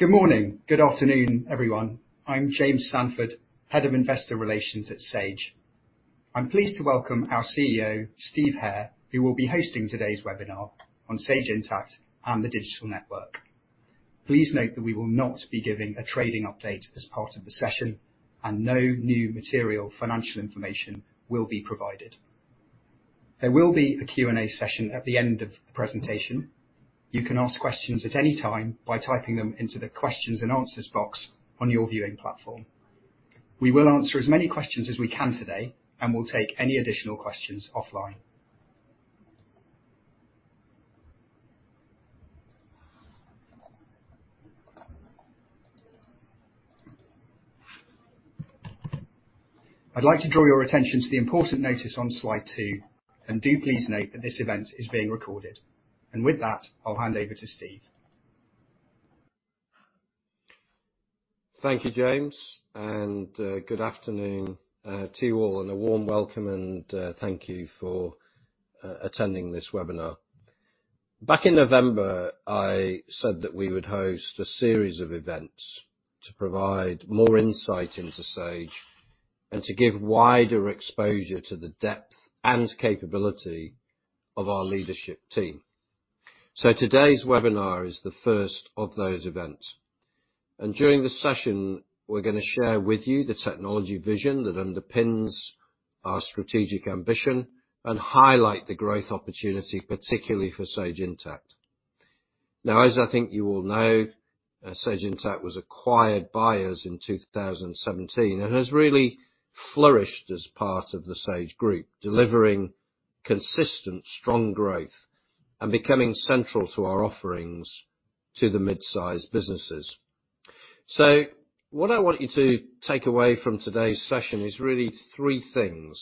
Good morning. Good afternoon, everyone. I'm James Sandford, Head of Investor Relations at Sage. I'm pleased to welcome our CEO, Steve Hare, who will be hosting today's webinar on Sage Intacct and the Digital Network. Please note that we will not be giving a trading update as part of the session, and no new material financial information will be provided. There will be a Q&A session at the end of the presentation. You can ask questions at any time by typing them into the questions and answers box on your viewing platform. We will answer as many questions as we can today, and we'll take any additional questions offline. I'd like to draw your attention to the important notice on slide two, and do please note that this event is being recorded. With that, I'll hand over to Steve. Thank you, James, and good afternoon to you all, and a warm welcome, and thank you for attending this webinar. Back in November, I said that we would host a series of events to provide more insight into Sage and to give wider exposure to the depth and capability of our leadership team. Today's webinar is the first of those events. During the session, we're gonna share with you the technology vision that underpins our strategic ambition and highlight the growth opportunity, particularly for Sage Intacct. Now, as I think you all know, Sage Intacct was acquired by us in 2017, and has really flourished as part of the Sage Group, delivering consistent, strong growth and becoming central to our offerings to the mid-sized businesses. What I want you to take away from today's session is really three things.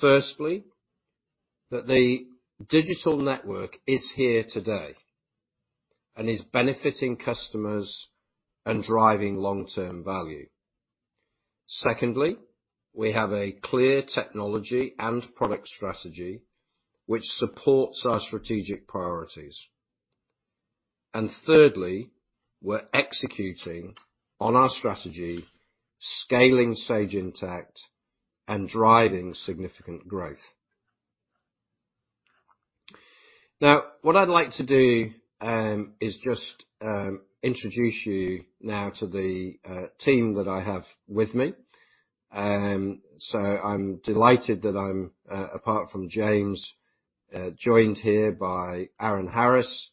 Firstly, that the digital network is here today and is benefiting customers and driving long-term value. Secondly, we have a clear technology and product strategy which supports our strategic priorities. Thirdly, we're executing on our strategy, scaling Sage Intacct and driving significant growth. Now, what I'd like to do is just introduce you now to the team that I have with me. I'm delighted, apart from James, joined here by Aaron Harris,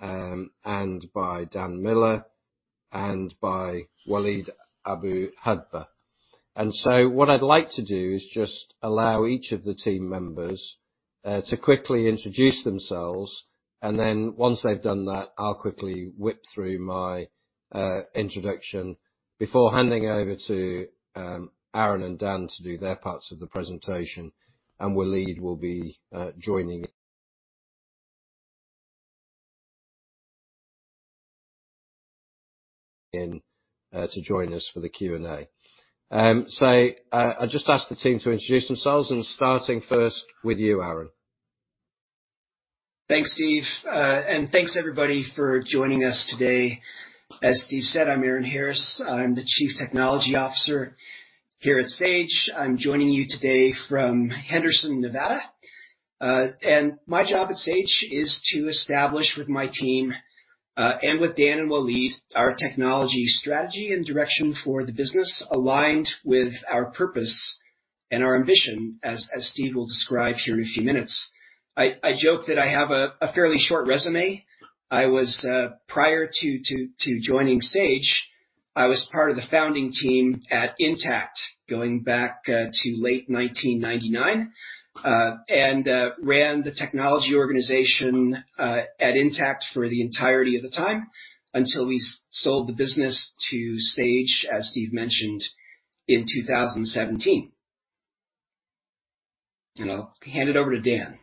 and by Dan Miller, and by Walid Abu-Hadba. What I'd like to do is just allow each of the team members to quickly introduce themselves, and then once they've done that, I'll quickly whip through my introduction before handing over to Aaron and Dan to do their parts of the presentation. Walid will be joining us for the Q&A. I'll just ask the team to introduce themselves, and starting first with you, Aaron. Thanks, Steve. Thanks, everybody, for joining us today. As Steve said, I'm Aaron Harris. I'm the Chief Technology Officer here at Sage. I'm joining you today from Henderson, Nevada. My job at Sage is to establish with my team, and with Dan and Walid, our technology strategy and direction for the business aligned with our purpose and our ambition, as Steve will describe here in a few minutes. I joke that I have a fairly short resume. Prior to joining Sage, I was part of the founding team at Intacct, going back to late 1999, and ran the technology organization at Intacct for the entirety of the time until we sold the business to Sage, as Steve mentioned, in 2017. I'll hand it over to Dan.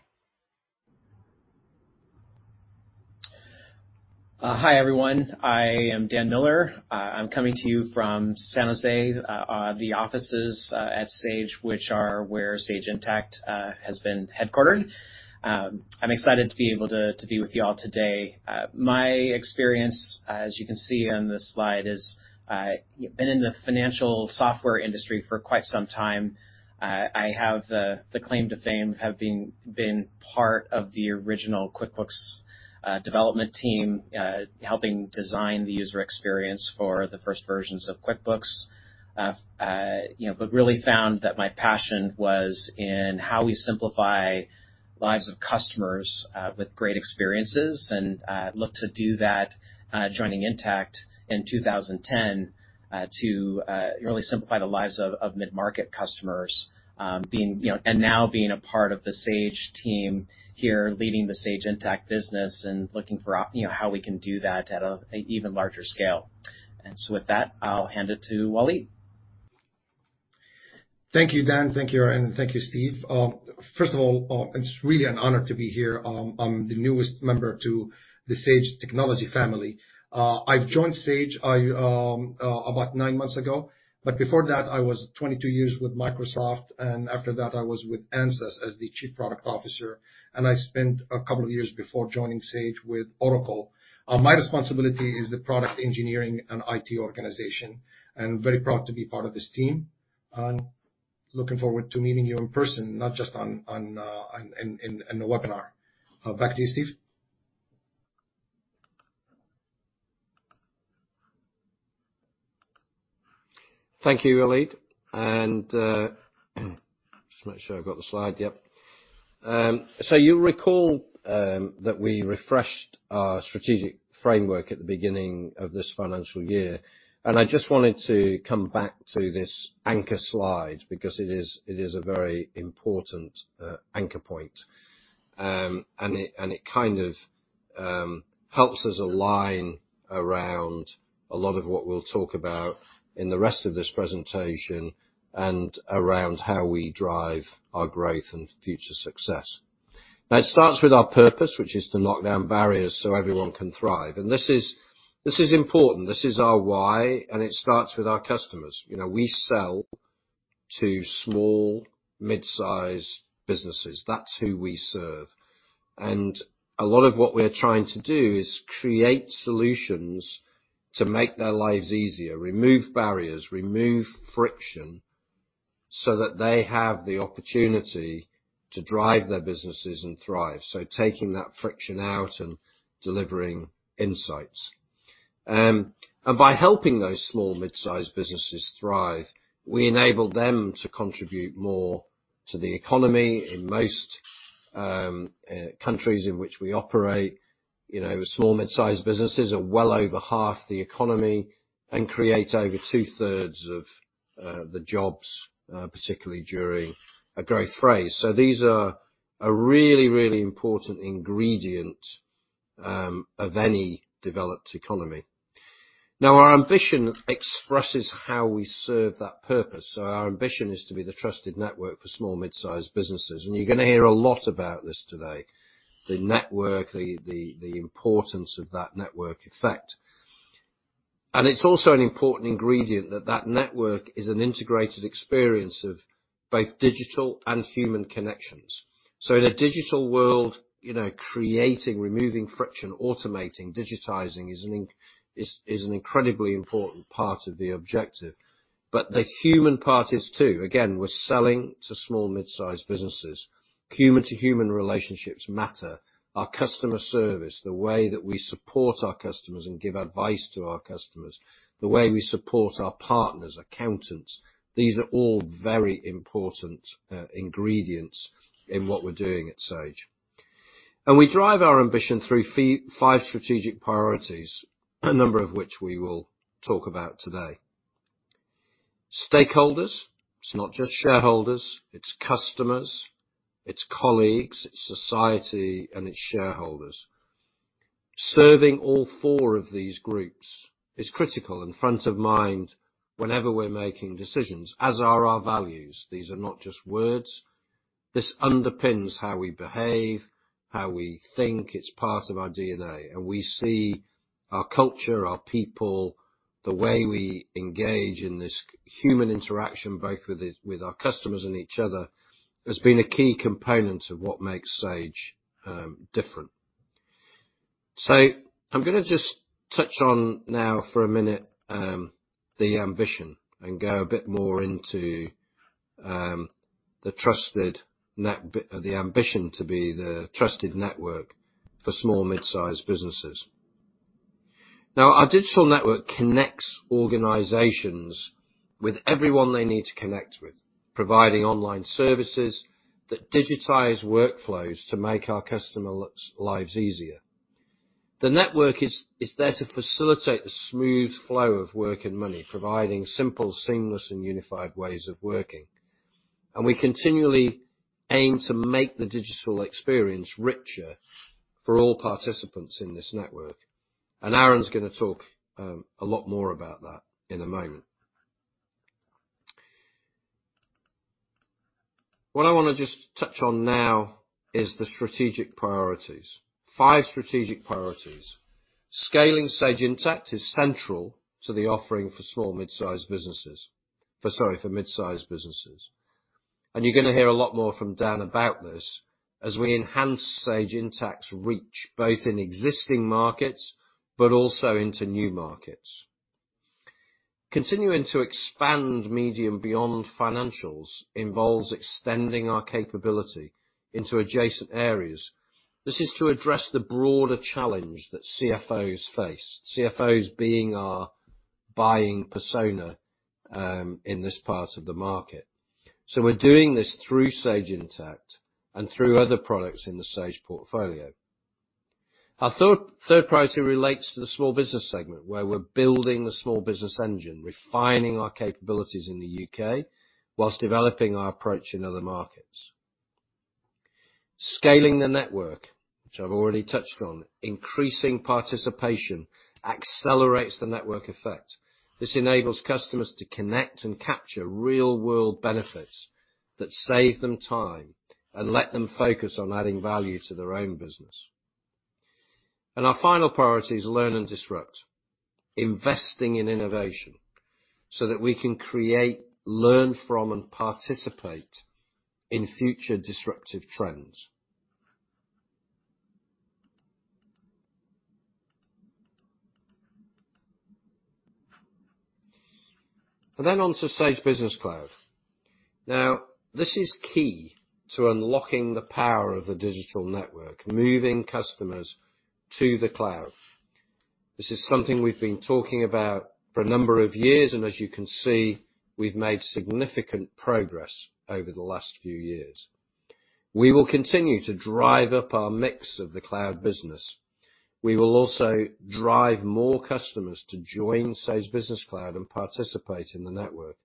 Hi, everyone. I am Dan Miller. I'm coming to you from San Jose, the offices at Sage, which are where Sage Intacct has been headquartered. I'm excited to be able to be with you all today. My experience, as you can see on this slide, is I have been in the financial software industry for quite some time. I have the claim to fame, have been part of the original QuickBooks development team, helping design the user experience for the first versions of QuickBooks. You know, but really found that my passion was in how we simplify lives of customers with great experiences and look to do that, joining Intacct in 2010, to really simplify the lives of mid-market customers, being, you know... Now being a part of the Sage team here, leading the Sage Intacct business and looking for, you know, how we can do that at an even larger scale. With that, I'll hand it to Walid. Thank you, Dan. Thank you, Aaron. Thank you, Steve. First of all, it's really an honor to be here. I'm the newest member to the Sage technology family. I've joined Sage about nine months ago, but before that, I was 22 years with Microsoft, and after that I was with Ansys as the Chief Product Officer, and I spent a couple of years before joining Sage with Oracle. My responsibility is the product engineering and IT organization, and very proud to be part of this team. I'm looking forward to meeting you in person, not just online in the webinar. Back to you, Steve. Thank you, Walid. Just make sure I've got the slide. Yep. You'll recall that we refreshed our strategic framework at the beginning of this financial year. I just wanted to come back to this anchor slide because it is a very important anchor point. It kind of helps us align around a lot of what we'll talk about in the rest of this presentation and around how we drive our growth and future success. Now, it starts with our purpose, which is to knock down barriers so everyone can thrive. This is important. This is our why, and it starts with our customers. You know, we sell to small, mid-size businesses. That's who we serve. A lot of what we're trying to do is create solutions to make their lives easier, remove barriers, remove friction, so that they have the opportunity to drive their businesses and thrive. Taking that friction out and delivering insights. By helping those small mid-size businesses thrive, we enable them to contribute more to the economy. In most countries in which we operate, you know, small mid-size businesses are well over half the economy and create over two-thirds of the jobs, particularly during a growth phase. These are a really important ingredient of any developed economy. Now, our ambition expresses how we serve that purpose. Our ambition is to be the trusted network for small mid-size businesses. You're gonna hear a lot about this today, the network, the importance of that network effect. It's also an important ingredient that network is an integrated experience of both digital and human connections. In a digital world, you know, creating, removing friction, automating, digitizing is an incredibly important part of the objective. The human part is too. Again, we're selling to small mid-size businesses. Human-to-human relationships matter. Our customer service, the way that we support our customers and give advice to our customers, the way we support our partners, accountants, these are all very important ingredients in what we're doing at Sage. We drive our ambition through five strategic priorities, a number of which we will talk about today. Stakeholders. It's not just shareholders, it's customers, it's colleagues, it's society, and it's shareholders. Serving all four of these groups is critical and front of mind whenever we're making decisions, as are our values. These are not just words. This underpins how we behave, how we think. It's part of our DNA. We see our culture, our people, the way we engage in this human interaction, both with our customers and each other, as being a key component of what makes Sage different. I'm gonna just touch on now for a minute, the ambition and go a bit more into, the ambition to be the trusted network for small mid-size businesses. Now, our digital network connects organizations with everyone they need to connect with, providing online services that digitize workflows to make our customers' lives easier. The network is there to facilitate the smooth flow of work and money, providing simple, seamless, and unified ways of working. We continually aim to make the digital experience richer for all participants in this network. Aaron's gonna talk a lot more about that in a moment. What I wanna just touch on now is the strategic priorities, five strategic priorities. Scaling Sage Intacct is central to the offering for mid-size businesses. You're gonna hear a lot more from Dan about this as we enhance Sage Intacct's reach, both in existing markets but also into new markets. Continuing to expand Sage beyond financials involves extending our capability into adjacent areas. This is to address the broader challenge that CFOs face, CFOs being our buying persona, in this part of the market. We're doing this through Sage Intacct and through other products in the Sage portfolio. Our third priority relates to the small business segment, where we're building the small business engine, refining our capabilities in the U.K. while developing our approach in other markets. Scaling the network, which I've already touched on. Increasing participation accelerates the network effect. This enables customers to connect and capture real-world benefits that save them time and let them focus on adding value to their own business. Our final priority is learn and disrupt, investing in innovation so that we can create, learn from, and participate in future disruptive trends. On to Sage Business Cloud. Now, this is key to unlocking the power of the digital network, moving customers to the cloud. This is something we've been talking about for a number of years, and as you can see, we've made significant progress over the last few years. We will continue to drive up our mix of the cloud business. We will also drive more customers to join Sage Business Cloud and participate in the network,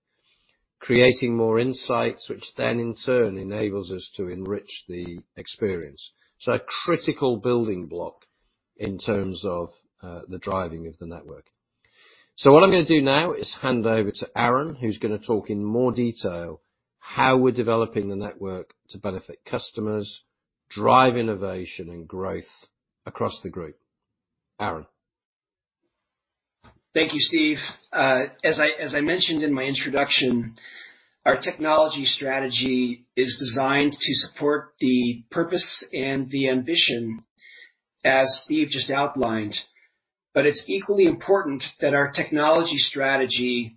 creating more insights, which then in turn enables us to enrich the experience. A critical building block in terms of the driving of the network. What I'm gonna do now is hand over to Aaron, who's gonna talk in more detail how we're developing the network to benefit customers, drive innovation and growth across the group. Aaron. Thank you, Steve. As I mentioned in my introduction, our technology strategy is designed to support the purpose and the ambition, as Steve just outlined. It's equally important that our technology strategy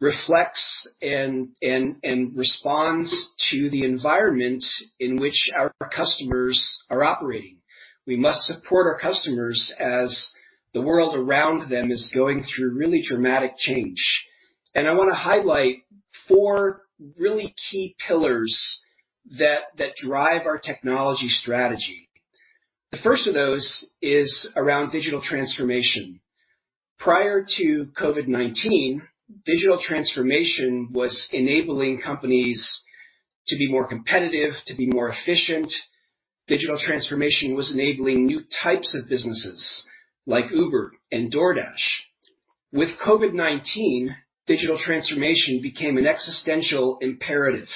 reflects and responds to the environment in which our customers are operating. We must support our customers as the world around them is going through really dramatic change. I wanna highlight four really key pillars that drive our technology strategy. The first of those is around digital transformation. Prior to COVID-19, digital transformation was enabling companies to be more competitive, to be more efficient. Digital transformation was enabling new types of businesses like Uber and DoorDash. With COVID-19, digital transformation became an existential imperative.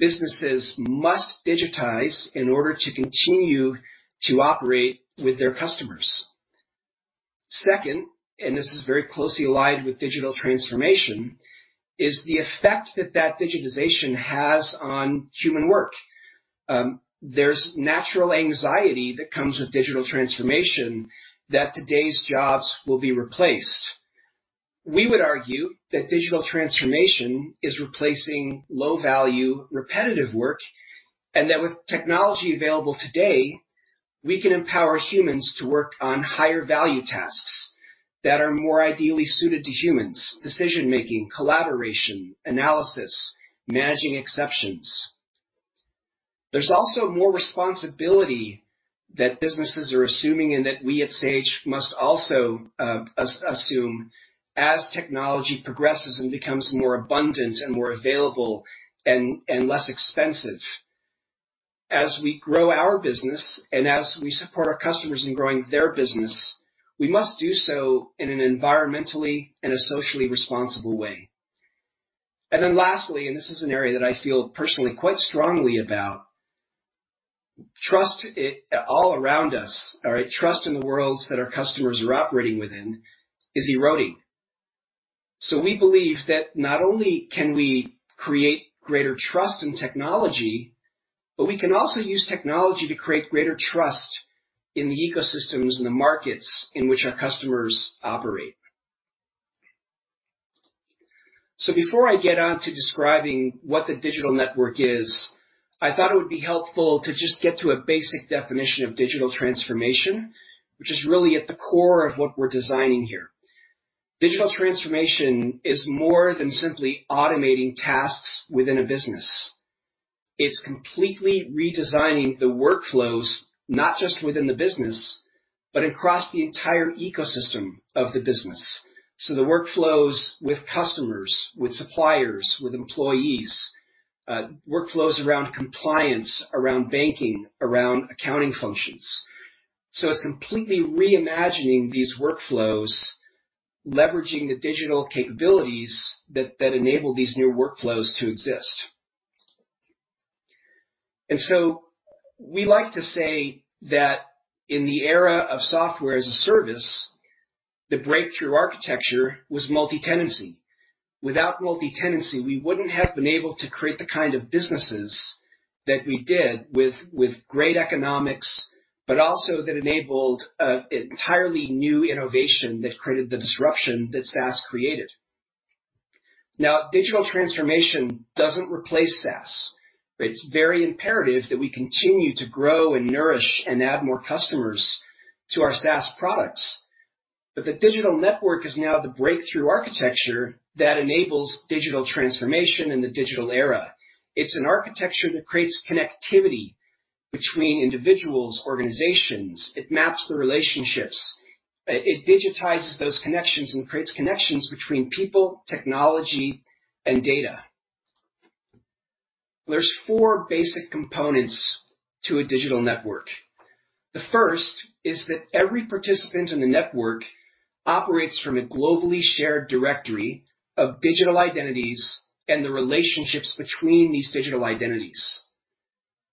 Businesses must digitize in order to continue to operate with their customers. Second, and this is very closely aligned with digital transformation, is the effect that that digitization has on human work. There's natural anxiety that comes with digital transformation that today's jobs will be replaced. We would argue that digital transformation is replacing low-value, repetitive work, and that with technology available today, we can empower humans to work on higher value tasks that are more ideally suited to humans. Decision-making, collaboration, analysis, managing exceptions. There's also more responsibility that businesses are assuming and that we at Sage must also assume as technology progresses and becomes more abundant and more available and less expensive. As we grow our business and as we support our customers in growing their business, we must do so in an environmentally and a socially responsible way. This is an area that I feel personally quite strongly about. Trust is all around us, all right? Trust in the worlds that our customers are operating within is eroding. We believe that not only can we create greater trust in technology, but we can also use technology to create greater trust in the ecosystems and the markets in which our customers operate. Before I get on to describing what the digital network is, I thought it would be helpful to just get to a basic definition of digital transformation, which is really at the core of what we're designing here. Digital transformation is more than simply automating tasks within a business. It's completely redesigning the workflows, not just within the business, but across the entire ecosystem of the business. The workflows with customers, with suppliers, with employees, workflows around compliance, around banking, around accounting functions. It's completely reimagining these workflows, leveraging the digital capabilities that enable these new workflows to exist. We like to say that in the era of software as a service, the breakthrough architecture was multitenancy. Without multitenancy, we wouldn't have been able to create the kind of businesses that we did with great economics, but also that enabled entirely new innovation that created the disruption that SaaS created. Now, digital transformation doesn't replace SaaS. It's very imperative that we continue to grow and nourish and add more customers to our SaaS products. The digital network is now the breakthrough architecture that enables digital transformation in the digital era. It's an architecture that creates connectivity between individuals, organizations. It maps the relationships. It digitizes those connections and creates connections between people, technology, and data. There's four basic components to a digital network. The first is that every participant in the network operates from a globally shared directory of digital identities and the relationships between these digital identities.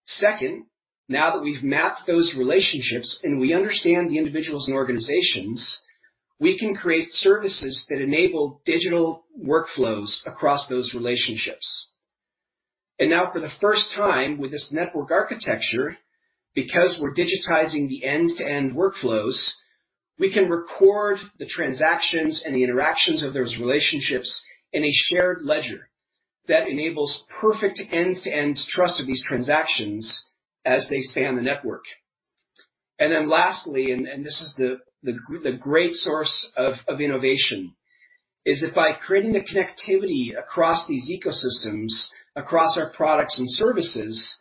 Second, now that we've mapped those relationships and we understand the individuals and organizations, we can create services that enable digital workflows across those relationships. Now for the first time with this network architecture, because we're digitizing the end-to-end workflows, we can record the transactions and the interactions of those relationships in a shared ledger that enables perfect end-to-end trust of these transactions as they stay on the network. This is the great source of innovation that by creating the connectivity across these ecosystems, across our products and services,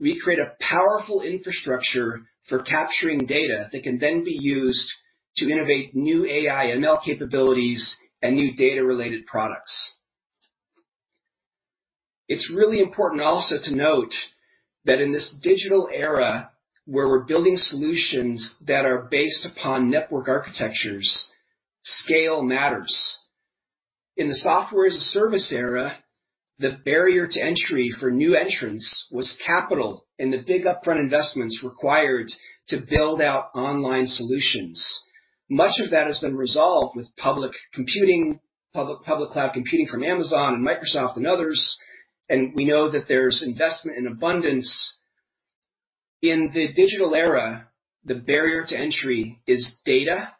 we create a powerful infrastructure for capturing data that can then be used to innovate new AI ML capabilities and new data-related products. It's really important also to note that in this digital era, where we're building solutions that are based upon network architectures, scale matters. In the software-as-a-service era, the barrier to entry for new entrants was capital and the big upfront investments required to build out online solutions. Much of that has been resolved with public cloud computing from Amazon and Microsoft and others, and we know that there's investment in abundance. In the digital era, the barrier to entry is data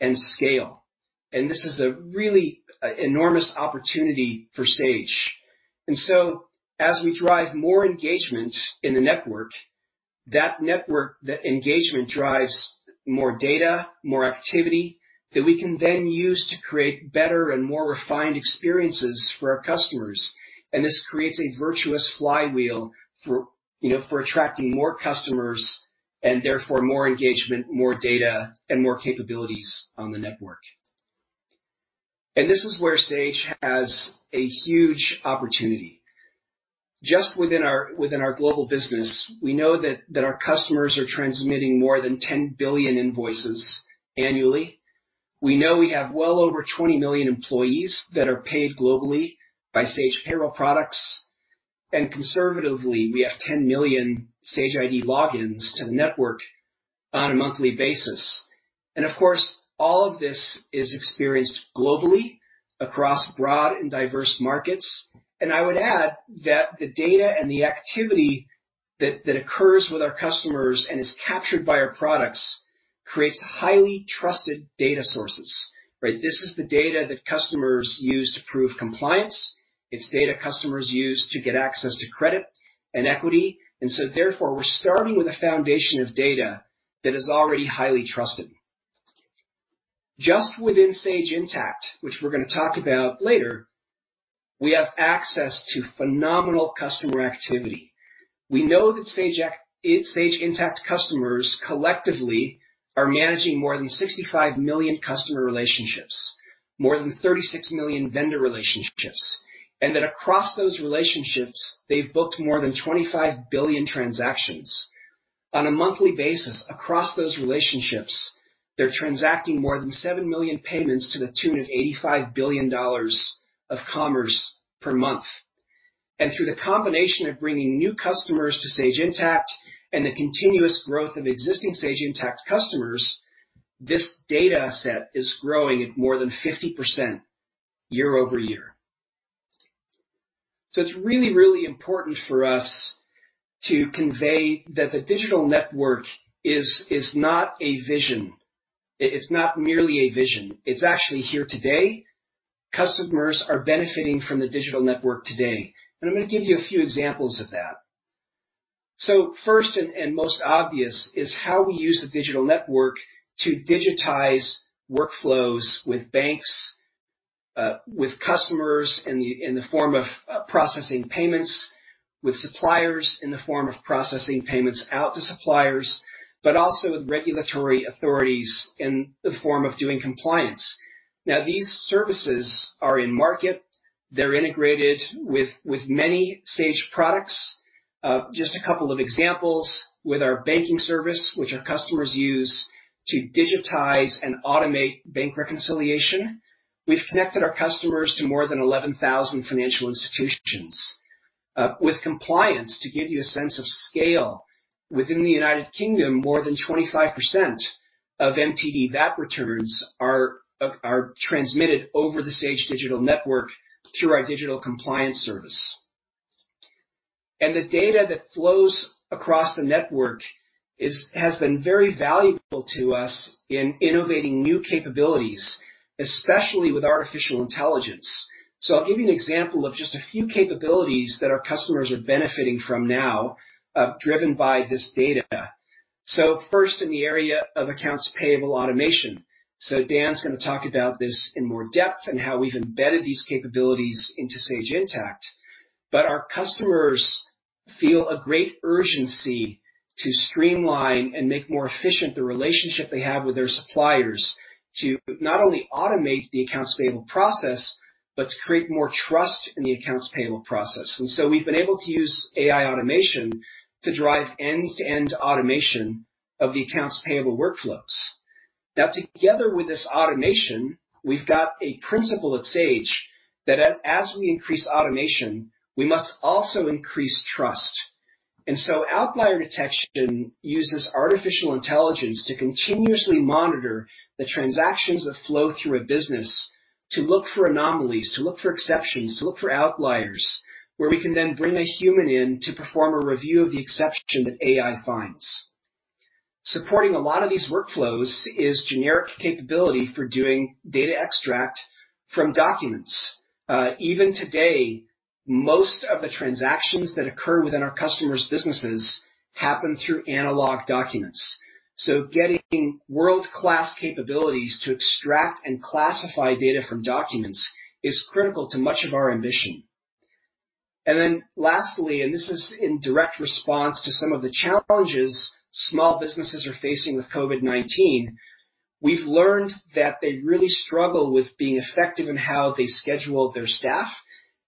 and scale, and this is a really enormous opportunity for Sage. As we drive more engagement in the network, that network, that engagement drives more data, more activity that we can then use to create better and more refined experiences for our customers. This creates a virtuous flywheel for, you know, for attracting more customers and therefore more engagement, more data, and more capabilities on the network. This is where Sage has a huge opportunity. Just within our global business, we know that our customers are transmitting more than 10 billion invoices annually. We know we have well over 20 million employees that are paid globally by Sage payroll products. Conservatively, we have 10 million Sage ID logins to the network on a monthly basis. Of course, all of this is experienced globally across broad and diverse markets. I would add that the data and the activity that occurs with our customers and is captured by our products creates highly trusted data sources, right? This is the data that customers use to prove compliance. It's data customers use to get access to credit and equity. Therefore, we're starting with a foundation of data that is already highly trusted. Just within Sage Intacct, which we're gonna talk about later, we have access to phenomenal customer activity. We know that Sage Intacct customers collectively are managing more than 65 million customer relationships, more than 36 million vendor relationships, and that across those relationships, they've booked more than 25 billion transactions. On a monthly basis across those relationships, they're transacting more than 7 million payments to the tune of $85 billion of commerce per month. Through the combination of bringing new customers to Sage Intacct and the continuous growth of existing Sage Intacct customers, this data set is growing at more than 50% year-over-year. It's really, really important for us to convey that the digital network is not a vision. It's not merely a vision. It's actually here today. Customers are benefiting from the digital network today, and I'm gonna give you a few examples of that. First and most obvious is how we use the digital network to digitize workflows with banks, with customers in the form of processing payments, with suppliers in the form of processing payments out to suppliers, but also with regulatory authorities in the form of doing compliance. Now, these services are in market. They're integrated with many Sage products. Just a couple of examples with our banking service, which our customers use to digitize and automate bank reconciliation. We've connected our customers to more than 11,000 financial institutions. With compliance, to give you a sense of scale, within the United Kingdom, more than 25% of MTD VAT returns are transmitted over the Sage Digital Network through our digital compliance service. The data that flows across the network has been very valuable to us in innovating new capabilities, especially with artificial intelligence. I'll give you an example of just a few capabilities that our customers are benefiting from now, driven by this data. First, in the area of accounts payable automation. Dan's gonna talk about this in more depth and how we've embedded these capabilities into Sage Intacct. Our customers feel a great urgency to streamline and make more efficient the relationship they have with their suppliers to not only automate the accounts payable process but to create more trust in the accounts payable process. We've been able to use AI automation to drive end-to-end automation of the accounts payable workflows. Now, together with this automation, we've got a principle at Sage that as we increase automation, we must also increase trust. Outlier detection uses artificial intelligence to continuously monitor the transactions that flow through a business to look for anomalies, to look for exceptions, to look for outliers, where we can then bring a human in to perform a review of the exception that AI finds. Supporting a lot of these workflows is generic capability for doing data extract from documents. Even today, most of the transactions that occur within our customers' businesses happen through analog documents. Getting world-class capabilities to extract and classify data from documents is critical to much of our ambition. Then lastly, and this is in direct response to some of the challenges small businesses are facing with COVID-19, we've learned that they really struggle with being effective in how they schedule their staff,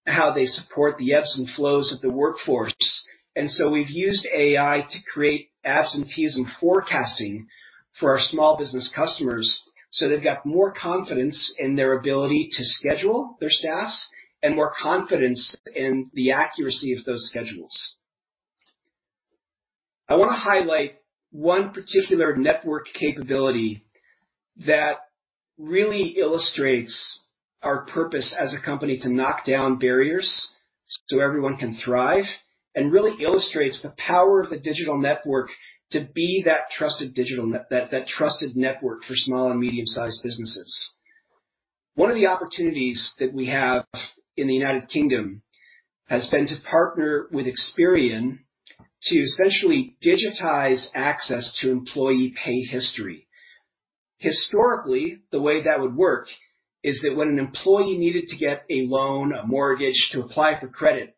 how they support the ebbs and flows of the workforce. We've used AI to create absenteeism forecasting for our small business customers, so they've got more confidence in their ability to schedule their staffs and more confidence in the accuracy of those schedules. I wanna highlight one particular network capability that really illustrates our purpose as a company to knock down barriers so everyone can thrive and really illustrates the power of the digital network to be that trusted network for small and medium-sized businesses. One of the opportunities that we have in the United Kingdom has been to partner with Experian to essentially digitize access to employee pay history. Historically, the way that would work is that when an employee needed to get a loan, a mortgage to apply for credit,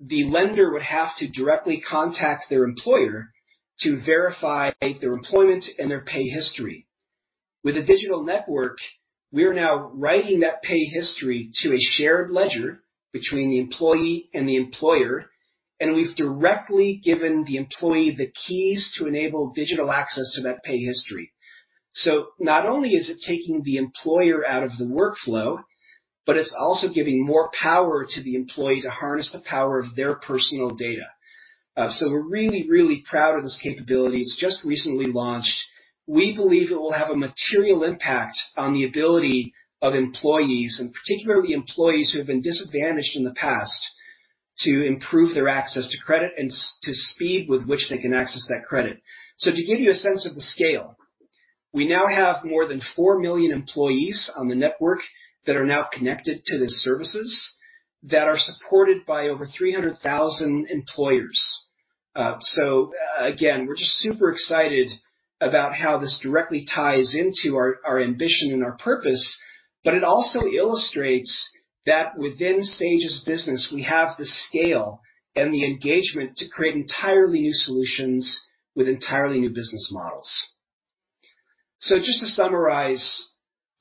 the lender would have to directly contact their employer to verify their employment and their pay history. With a digital network, we are now writing that pay history to a shared ledger between the employee and the employer, and we've directly given the employee the keys to enable digital access to that pay history. Not only is it taking the employer out of the workflow, but it's also giving more power to the employee to harness the power of their personal data. We're really, really proud of this capability. It's just recently launched. We believe it will have a material impact on the ability of employees, and particularly employees who have been disadvantaged in the past, to improve their access to credit and to speed with which they can access that credit. To give you a sense of the scale, we now have more than 4 million employees on the network that are now connected to the services that are supported by over 300,000 employers. Again, we're just super excited about how this directly ties into our ambition and our purpose, but it also illustrates that within Sage's business, we have the scale and the engagement to create entirely new solutions with entirely new business models. Just to summarize,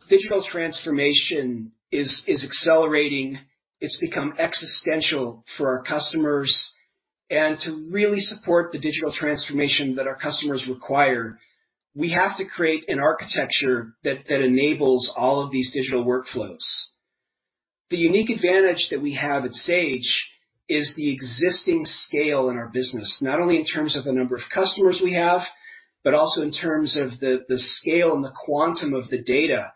digital transformation is accelerating. It's become existential for our customers. To really support the digital transformation that our customers require, we have to create an architecture that enables all of these digital workflows. The unique advantage that we have at Sage is the existing scale in our business, not only in terms of the number of customers we have, but also in terms of the scale and the quantum of the data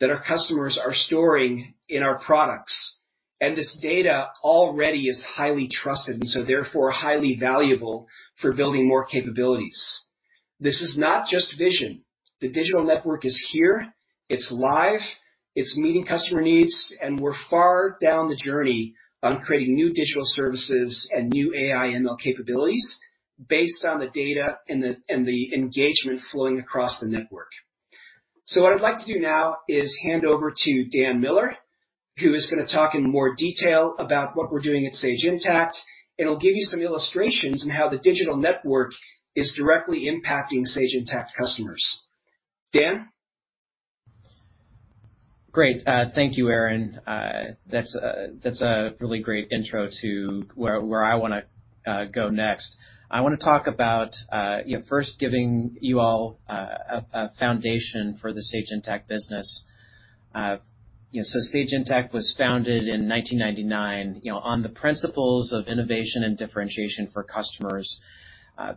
that our customers are storing in our products. This data already is highly trusted, and so therefore highly valuable for building more capabilities. This is not just vision. The digital network is here, it's live, it's meeting customer needs, and we're far down the journey on creating new digital services and new AI ML capabilities based on the data and the engagement flowing across the network. What I'd like to do now is hand over to Dan Miller, who is gonna talk in more detail about what we're doing at Sage Intacct, and he'll give you some illustrations on how the digital network is directly impacting Sage Intacct customers. Dan? Great. Thank you, Aaron. That's a really great intro to where I wanna go next. I wanna talk about, you know, first giving you all a foundation for the Sage Intacct business. You know, so Sage Intacct was founded in 1999, you know, on the principles of innovation and differentiation for customers,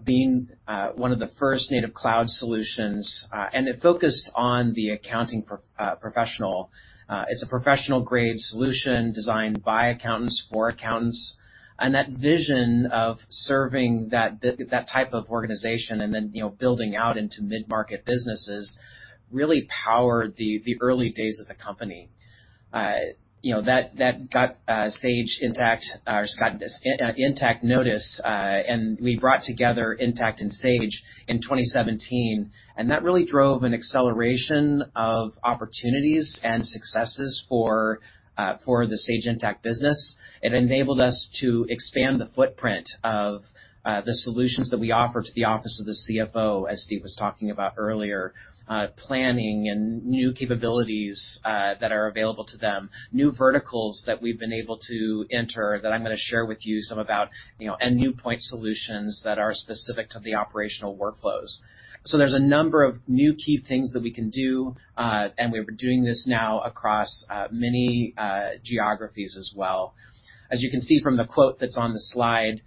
being one of the first native cloud solutions, and it focused on the accounting professional. It's a professional-grade solution designed by accountants for accountants. That vision of serving that type of organization and then, you know, building out into mid-market businesses really powered the early days of the company. You know, that got Sage Intacct and we brought together Intacct and Sage in 2017, and that really drove an acceleration of opportunities and successes for the Sage Intacct business. It enabled us to expand the footprint of the solutions that we offer to the office of the CFO, as Steve was talking about earlier, planning and new capabilities that are available to them, new verticals that we've been able to enter that I'm gonna share with you some about, you know, and new point solutions that are specific to the operational workflows. There's a number of new key things that we can do, and we're doing this now across many geographies as well. As you can see from the quote that's on the slide,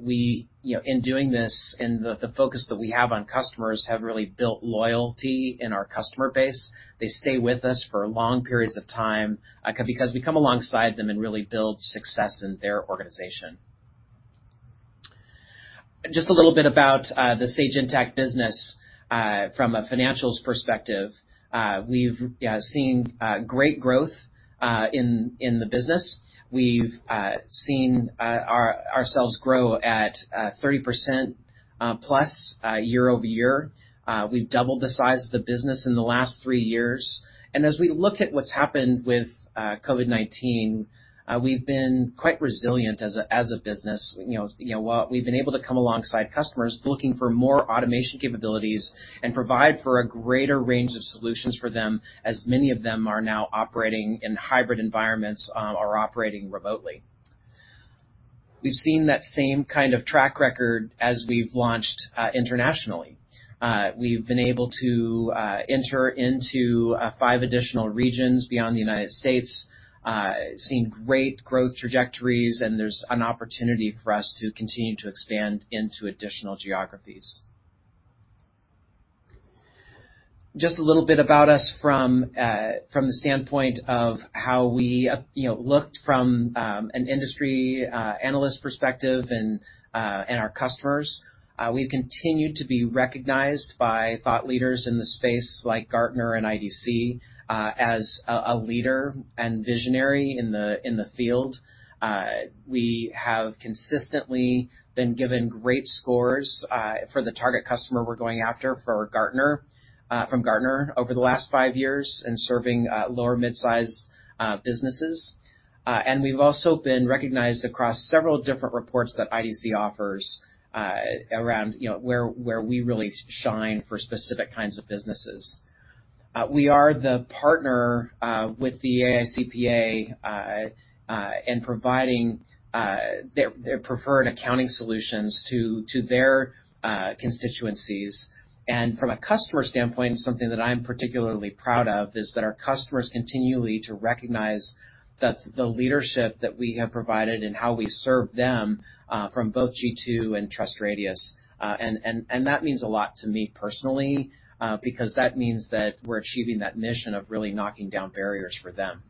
we... You know, in doing this and the focus that we have on customers have really built loyalty in our customer base. They stay with us for long periods of time, because we come alongside them and really build success in their organization. Just a little bit about the Sage Intacct business from a financials perspective. We've seen great growth in the business. We've seen ourselves grow at 30% plus year-over-year. We've doubled the size of the business in the last three years. As we look at what's happened with COVID-19, we've been quite resilient as a business. You know, while we've been able to come alongside customers looking for more automation capabilities and provide for a greater range of solutions for them, as many of them are now operating in hybrid environments or operating remotely. We've seen that same kind of track record as we've launched internationally. We've been able to enter into 5 additional regions beyond the United States, seen great growth trajectories, and there's an opportunity for us to continue to expand into additional geographies. Just a little bit about us from the standpoint of how we you know looked from an industry analyst perspective and our customers. We've continued to be recognized by thought leaders in the space like Gartner and IDC as a leader and visionary in the field. We have consistently been given great scores for the target customer we're going after for Gartner from Gartner over the last five years in serving lower mid-sized businesses. We've also been recognized across several different reports that IDC offers around you know where we really shine for specific kinds of businesses. We are the partner with the AICPA in providing their preferred accounting solutions to their constituencies. From a customer standpoint, something that I'm particularly proud of is that our customers continually to recognize that the leadership that we have provided and how we serve them from both G2 and TrustRadius. That means a lot to me personally because that means that we're achieving that mission of really knocking down barriers for them.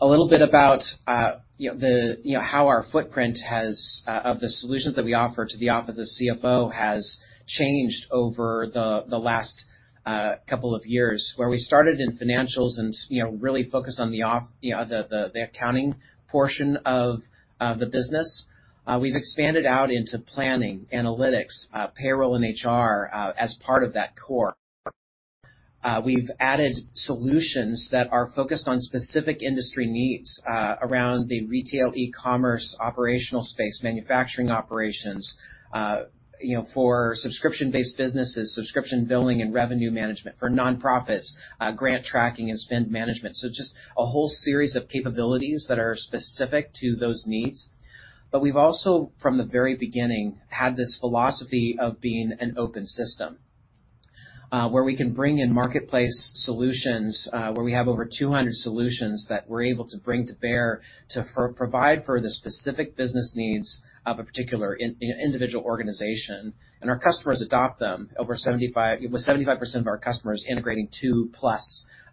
A little bit about you know the you know how our footprint of the solutions that we offer to the office of the CFO has changed over the last couple of years, where we started in financials and you know really focused on you know the accounting portion of the business. We've expanded out into planning, analytics, payroll and HR as part of that core. We've added solutions that are focused on specific industry needs around the retail e-commerce operational space, manufacturing operations you know for subscription-based businesses, subscription billing and revenue management, for nonprofits grant tracking and spend management. Just a whole series of capabilities that are specific to those needs. We've also from the very beginning had this philosophy of being an open system, where we can bring in marketplace solutions, where we have over 200 solutions that we're able to bring to bear to provide for the specific business needs of a particular individual organization. Our customers adopt them. With 75% of our customers integrating 2+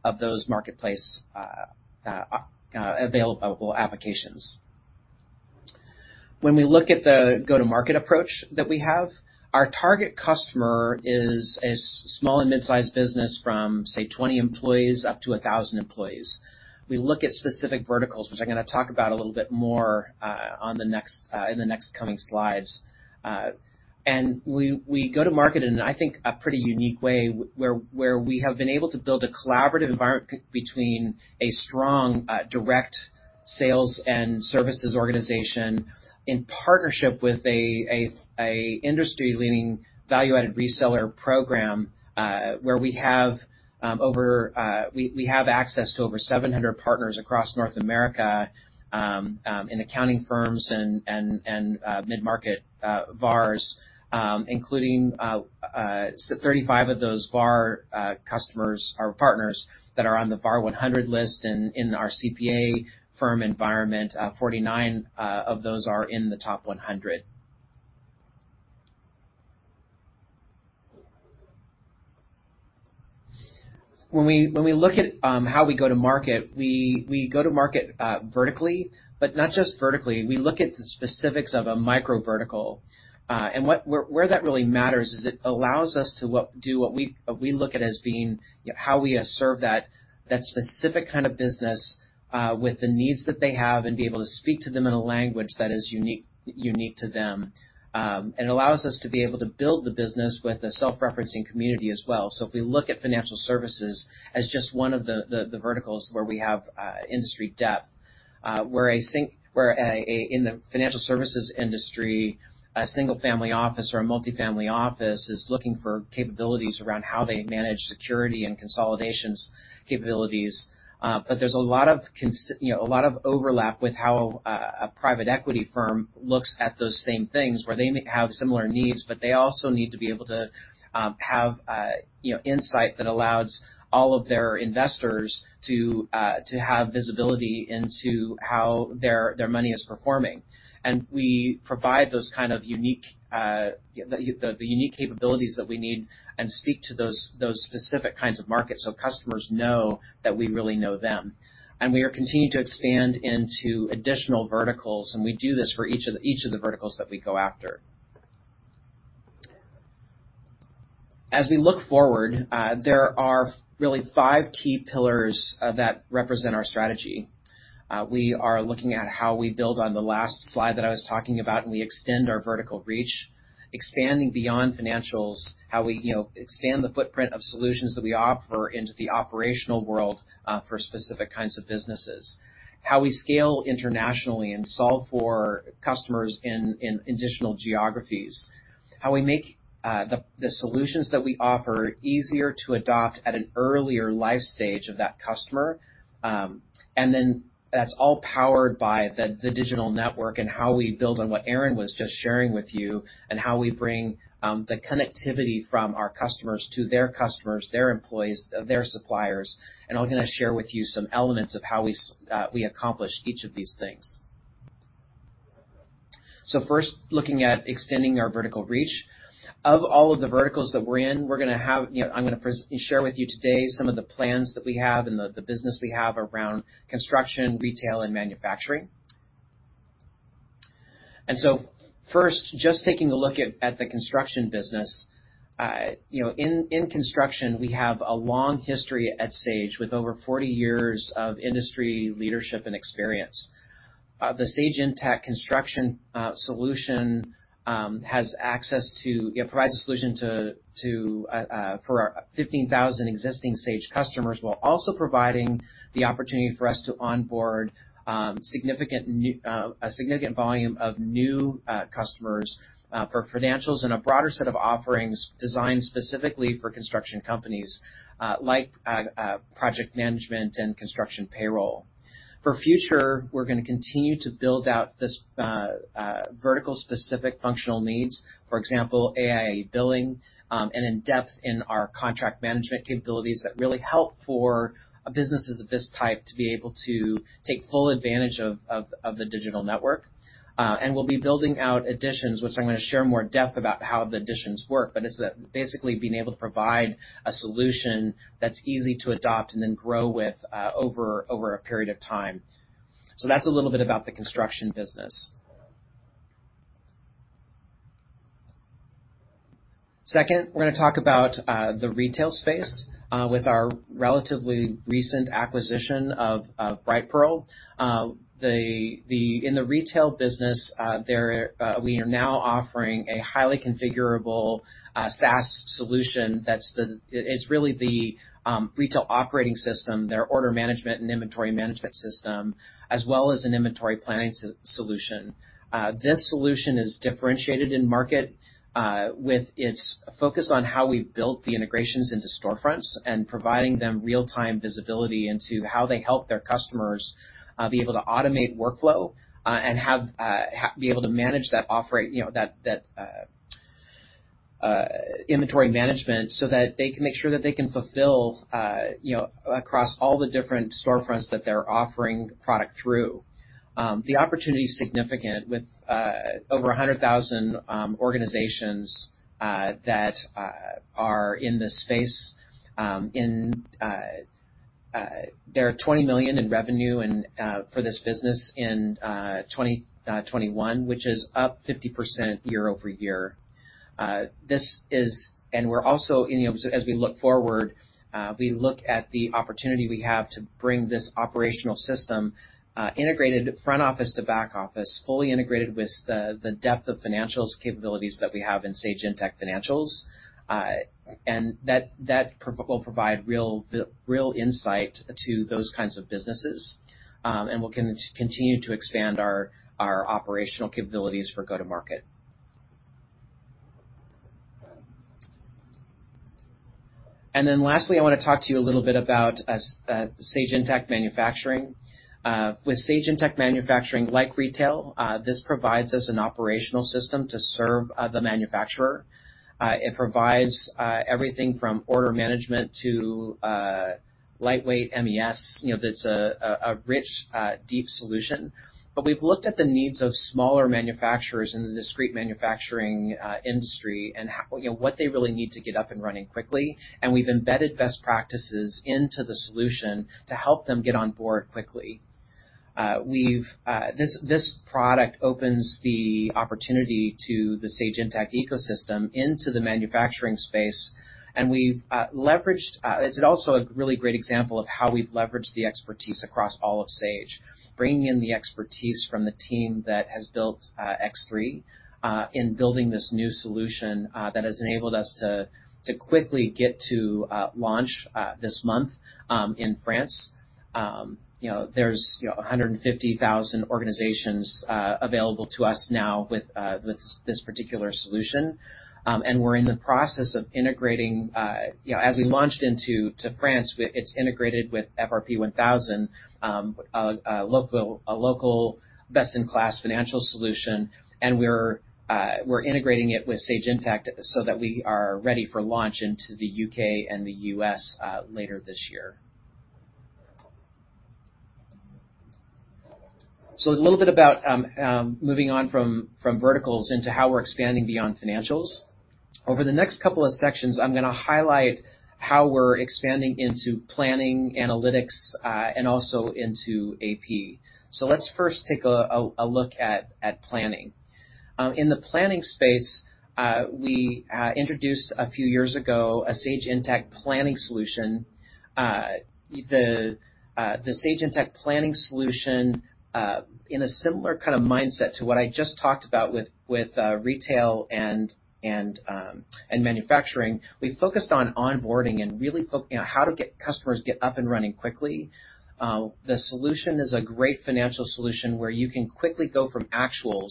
of those marketplace available applications. When we look at the go-to-market approach that we have, our target customer is a small and mid-sized business from, say, 20 employees up to 1,000 employees. We look at specific verticals, which I'm gonna talk about a little bit more in the next coming slides. We go to market in, I think, a pretty unique way where we have been able to build a collaborative environment between a strong direct sales and services organization in partnership with an industry-leading value-added reseller program, where we have access to over 700 partners across North America in accounting firms and mid-market VARs, including 35 of those VAR customers or partners that are on the VAR 100 list in our CPA firm environment. Forty-nine of those are in the top 100. When we look at how we go to market, we go to market vertically, but not just vertically. We look at the specifics of a micro vertical. What... Where that really matters is it allows us to do what we look at as being how we serve that specific kind of business with the needs that they have and be able to speak to them in a language that is unique to them. And allows us to be able to build the business with a self-referencing community as well. If we look at financial services as just one of the verticals where we have industry depth. In the financial services industry, a single family office or a multifamily office is looking for capabilities around how they manage security and consolidations capabilities. There's a lot of you know, a lot of overlap with how a private equity firm looks at those same things, where they may have similar needs, but they also need to be able to have you know, insight that allows all of their investors to have visibility into how their money is performing. We provide those kind of unique capabilities that we need and speak to those specific kinds of markets so customers know that we really know them. We are continuing to expand into additional verticals, and we do this for each of the verticals that we go after. As we look forward, there are really five key pillars that represent our strategy. We are looking at how we build on the last slide that I was talking about, and we extend our vertical reach, expanding beyond financials, how we, you know, expand the footprint of solutions that we offer into the operational world, for specific kinds of businesses. How we scale internationally and solve for customers in additional geographies. How we make the solutions that we offer easier to adopt at an earlier life stage of that customer. And then that's all powered by the digital network and how we build on what Aaron was just sharing with you and how we bring the connectivity from our customers to their customers, their employees, their suppliers. I'm gonna share with you some elements of how we accomplish each of these things. First, looking at extending our vertical reach. Of all of the verticals that we're in, we're gonna have. You know, I'm gonna share with you today some of the plans that we have and the business we have around construction, retail, and manufacturing. First, just taking a look at the construction business. You know, in construction, we have a long history at Sage with over 40 years of industry leadership and experience. The Sage Intacct Construction solution provides a solution for our 15,000 existing Sage customers, while also providing the opportunity for us to onboard a significant volume of new customers for financials and a broader set of offerings designed specifically for construction companies, like project management and construction payroll. For the future, we're gonna continue to build out this vertical specific functional needs. For example, AIA billing and in-depth in our contract management capabilities that really help for businesses of this type to be able to take full advantage of the digital network. We'll be building out editions, which I'm gonna share more depth about how the editions work. It's basically being able to provide a solution that's easy to adopt and then grow with over a period of time. That's a little bit about the construction business. Second, we're gonna talk about the retail space with our relatively recent acquisition of Brightpearl. In the retail business, we are now offering a highly configurable SaaS solution that's the. It's really the retail operating system, their order management and inventory management system, as well as an inventory planning solution. This solution is differentiated in the market with its focus on how we've built the integrations into storefronts and providing them real-time visibility into how they help their customers be able to automate workflow and be able to manage that operation, you know, that inventory management so that they can make sure that they can fulfill, you know, across all the different storefronts that they're offering product through. The opportunity is significant with over 100,000 organizations that are in this space. There are 20 million in revenue for this business in 2021, which is up 50% year-over-year. You know, as we look forward, we look at the opportunity we have to bring this operational system, integrated front office to back office, fully integrated with the depth of financials capabilities that we have in Sage Intacct Financials. That will provide real insight to those kinds of businesses. We continue to expand our operational capabilities for go-to-market. Then lastly, I wanna talk to you a little bit about Sage Intacct Manufacturing. With Sage Intacct Manufacturing, like retail, this provides us an operational system to serve the manufacturer. It provides everything from order management to lightweight MES, you know, that's a rich deep solution. We've looked at the needs of smaller manufacturers in the discrete manufacturing industry and how you know what they really need to get up and running quickly. We've embedded best practices into the solution to help them get on board quickly. This product opens the opportunity to the Sage Intacct ecosystem into the manufacturing space, and we've leveraged. It's also a really great example of how we've leveraged the expertise across all of Sage, bringing in the expertise from the team that has built X3 in building this new solution that has enabled us to quickly get to launch this month in France. You know, there's 150,000 organizations available to us now with this particular solution. We're in the process of integrating, you know, as we launched into France, it's integrated with Sage FRP 1000, a local best-in-class financial solution. We're integrating it with Sage Intacct so that we are ready for launch into the U.K. and the U.S. later this year. A little bit about moving on from verticals into how we're expanding beyond financials. Over the next couple of sections, I'm gonna highlight how we're expanding into planning, analytics, and also into AP. Let's first take a look at planning. In the planning space, we introduced a few years ago a Sage Intacct Planning solution. The Sage Intacct Planning solution, in a similar kind of mindset to what I just talked about with retail and manufacturing. We focused on onboarding and really, you know, how to get customers up and running quickly. The solution is a great financial solution where you can quickly go from financial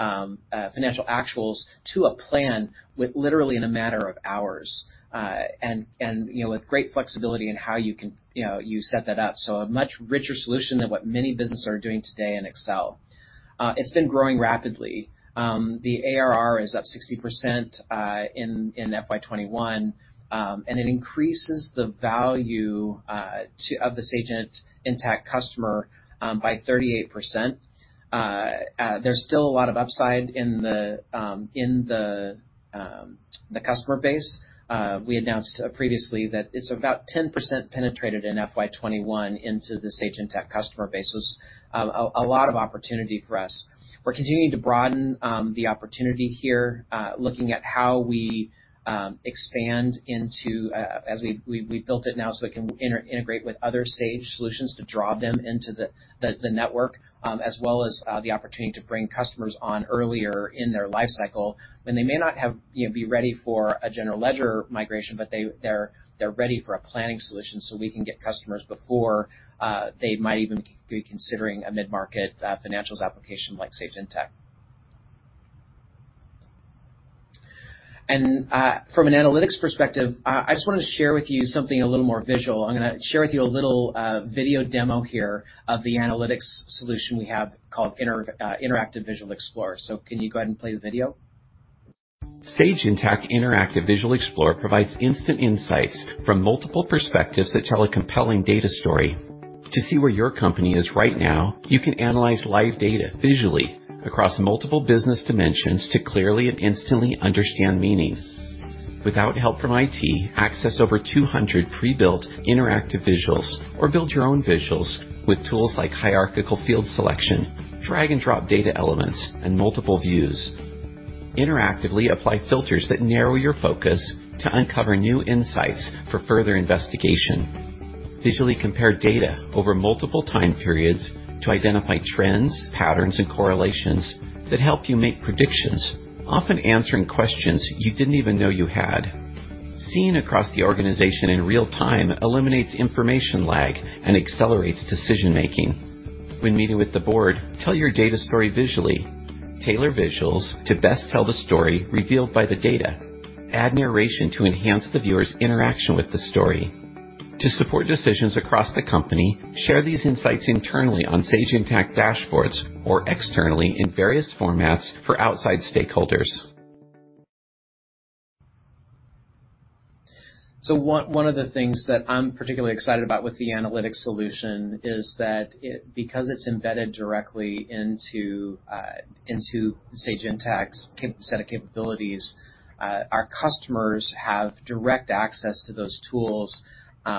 actuals to a plan, literally in a matter of hours. You know, with great flexibility in how you can, you know, you set that up. A much richer solution than what many businesses are doing today in Excel. It's been growing rapidly. The ARR is up 60% in FY 2021, and it increases the value of the Sage Intacct customer by 38%. There's still a lot of upside in the customer base. We announced previously that it's about 10% penetrated in FY 2021 into the Sage Intacct customer base. A lot of opportunity for us. We're continuing to broaden the opportunity here, looking at how we expand, as we've built it now, so it can integrate with other Sage solutions to draw them into the network. As well as the opportunity to bring customers on earlier in their life cycle when they may not have, you know, be ready for a general ledger migration, but they're ready for a planning solution, so we can get customers before they might even be considering a mid-market financials application like Sage Intacct. From an analytics perspective, I just wanna share with you something a little more visual. I'm gonna share with you a little video demo here of the analytics solution we have called Interactive Visual Explorer. Can you go ahead and play the video? Sage Intacct Interactive Visual Explorer provides instant insights from multiple perspectives that tell a compelling data story. To see where your company is right now, you can analyze live data visually across multiple business dimensions to clearly and instantly understand meaning. Without help from IT, access over 200 pre-built interactive visuals or build your own visuals with tools like hierarchical field selection, drag and drop data elements and multiple views. Interactively apply filters that narrow your focus to uncover new insights for further investigation. Visually compare data over multiple time periods to identify trends, patterns, and correlations that help you make predictions, often answering questions you didn't even know you had. Seeing across the organization in real-time eliminates information lag and accelerates decision-making. When meeting with the board, tell your data story visually. Tailor visuals to best tell the story revealed by the data. Add narration to enhance the viewer's interaction with the story. To support decisions across the company, share these insights internally on Sage Intacct dashboards or externally in various formats for outside stakeholders. One of the things that I'm particularly excited about with the analytics solution is that it, because it's embedded directly into Sage Intacct's set of capabilities, our customers have direct access to those tools,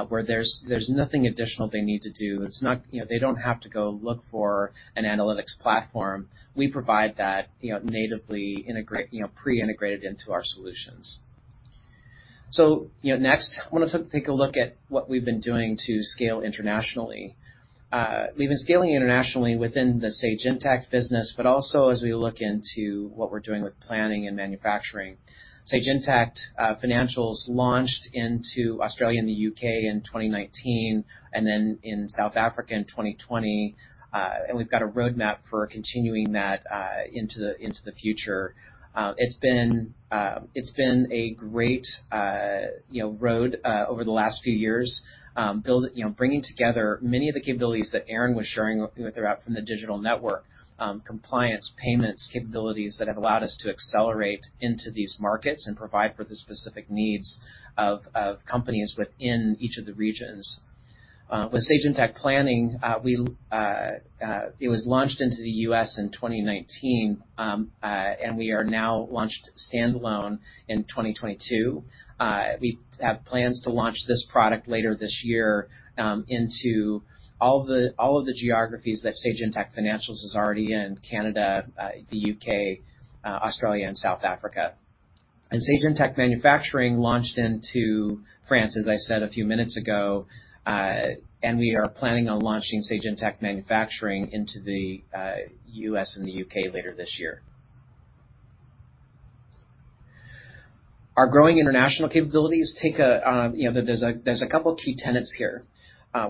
where there's nothing additional they need to do. It's not. You know, they don't have to go look for an analytics platform. We provide that, you know, natively integrate, you know, pre-integrated into our solutions. You know, next, want to take a look at what we've been doing to scale internationally. We've been scaling internationally within the Sage Intacct business, but also as we look into what we're doing with planning and manufacturing. Sage Intacct Financials launched in Australia and the U.K. in 2019, and then in South Africa in 2020. We've got a roadmap for continuing that into the future. It's been a great, you know, ride over the last few years. You know, bringing together many of the capabilities that Aaron was sharing throughout from the digital network, compliance, payments, capabilities that have allowed us to accelerate into these markets and provide for the specific needs of companies within each of the regions. With Sage Intacct Planning, it was launched into the U.S. in 2019. We are now launched standalone in 2022. We have plans to launch this product later this year into all of the geographies that Sage Intacct Financials is already in, Canada, the U.K., Australia, and South Africa. Sage Intacct Manufacturing launched into France, as I said a few minutes ago. We are planning on launching Sage Intacct Manufacturing into the U.S. and the U.K. later this year. Our growing international capabilities take a couple key tenets here.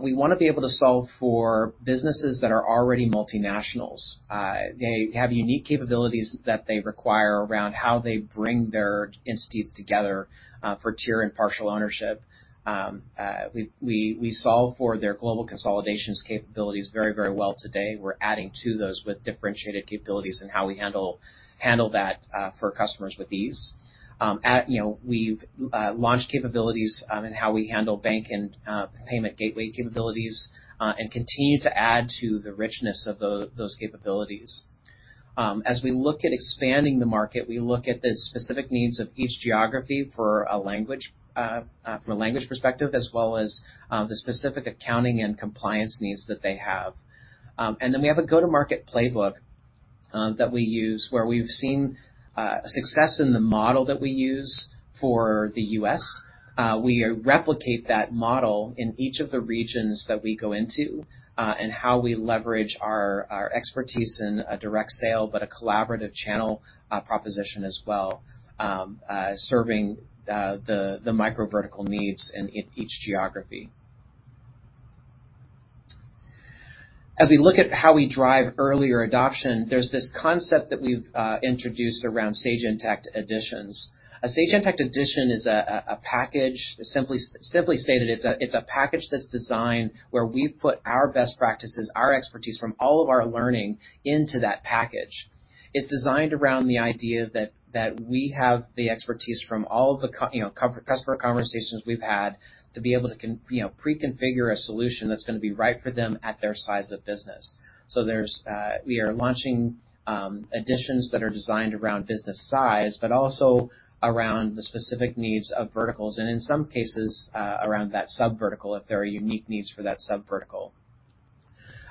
We wanna be able to solve for businesses that are already multinationals. They have unique capabilities that they require around how they bring their entities together for tier and partial ownership. We solve for their global consolidations capabilities very well today. We're adding to those with differentiated capabilities and how we handle that for customers with ease. We've launched capabilities in how we handle bank and payment gateway capabilities and continue to add to the richness of those capabilities. As we look at expanding the market, we look at the specific needs of each geography for a language, from a language perspective, as well as the specific accounting and compliance needs that they have. We have a go-to-market playbook that we use where we've seen success in the model that we use for the U.S. We replicate that model in each of the regions that we go into, and how we leverage our expertise in a direct sale, but a collaborative channel proposition as well, serving the microvertical needs in each geography. As we look at how we drive earlier adoption, there's this concept that we've introduced around Sage Intacct Editions. A Sage Intacct Edition is a package. Simply stated, it's a package that's designed where we put our best practices, our expertise from all of our learning into that package. It's designed around the idea that we have the expertise from all of the customer conversations we've had to be able to preconfigure a solution that's gonna be right for them at their size of business. So we are launching editions that are designed around business size, but also around the specific needs of verticals, and in some cases, around that subvertical, if there are unique needs for that subvertical.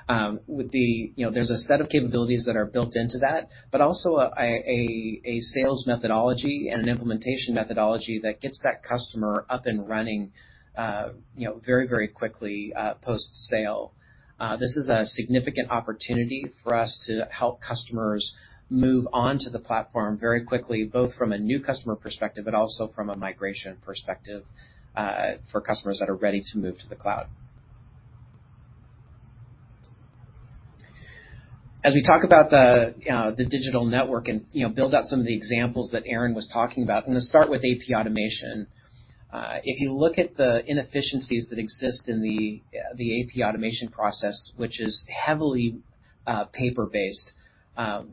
You know, there's a set of capabilities that are built into that, but also a sales methodology and an implementation methodology that gets that customer up and running, you know, very quickly, post-sale. This is a significant opportunity for us to help customers move onto the platform very quickly, both from a new customer perspective, but also from a migration perspective, for customers that are ready to move to the cloud. As we talk about the digital network and, you know, build out some of the examples that Aaron was talking about, I'm gonna start with AP automation. If you look at the inefficiencies that exist in the AP automation process, which is heavily paper-based,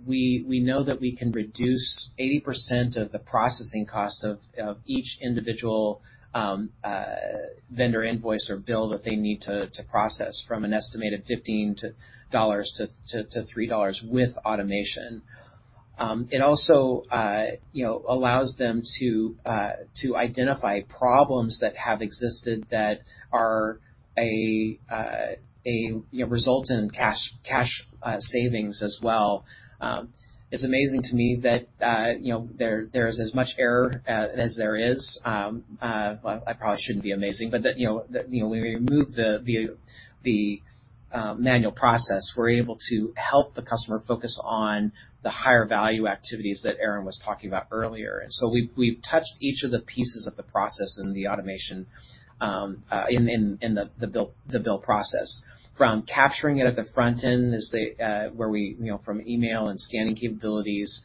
we know that we can reduce 80% of the processing cost of each individual vendor invoice or bill that they need to process from an estimated $15 to $3 with automation. It also, you know, allows them to identify problems that have existed that are a result in cash savings as well. It's amazing to me that, you know, there is as much error as there is. Well, I probably shouldn't be amazing, but you know, when we remove the manual process, we're able to help the customer focus on the higher value activities that Aaron was talking about earlier. We've touched each of the pieces of the process in the automation, in the bill process. From capturing it at the front end is the where we you know from email and scanning capabilities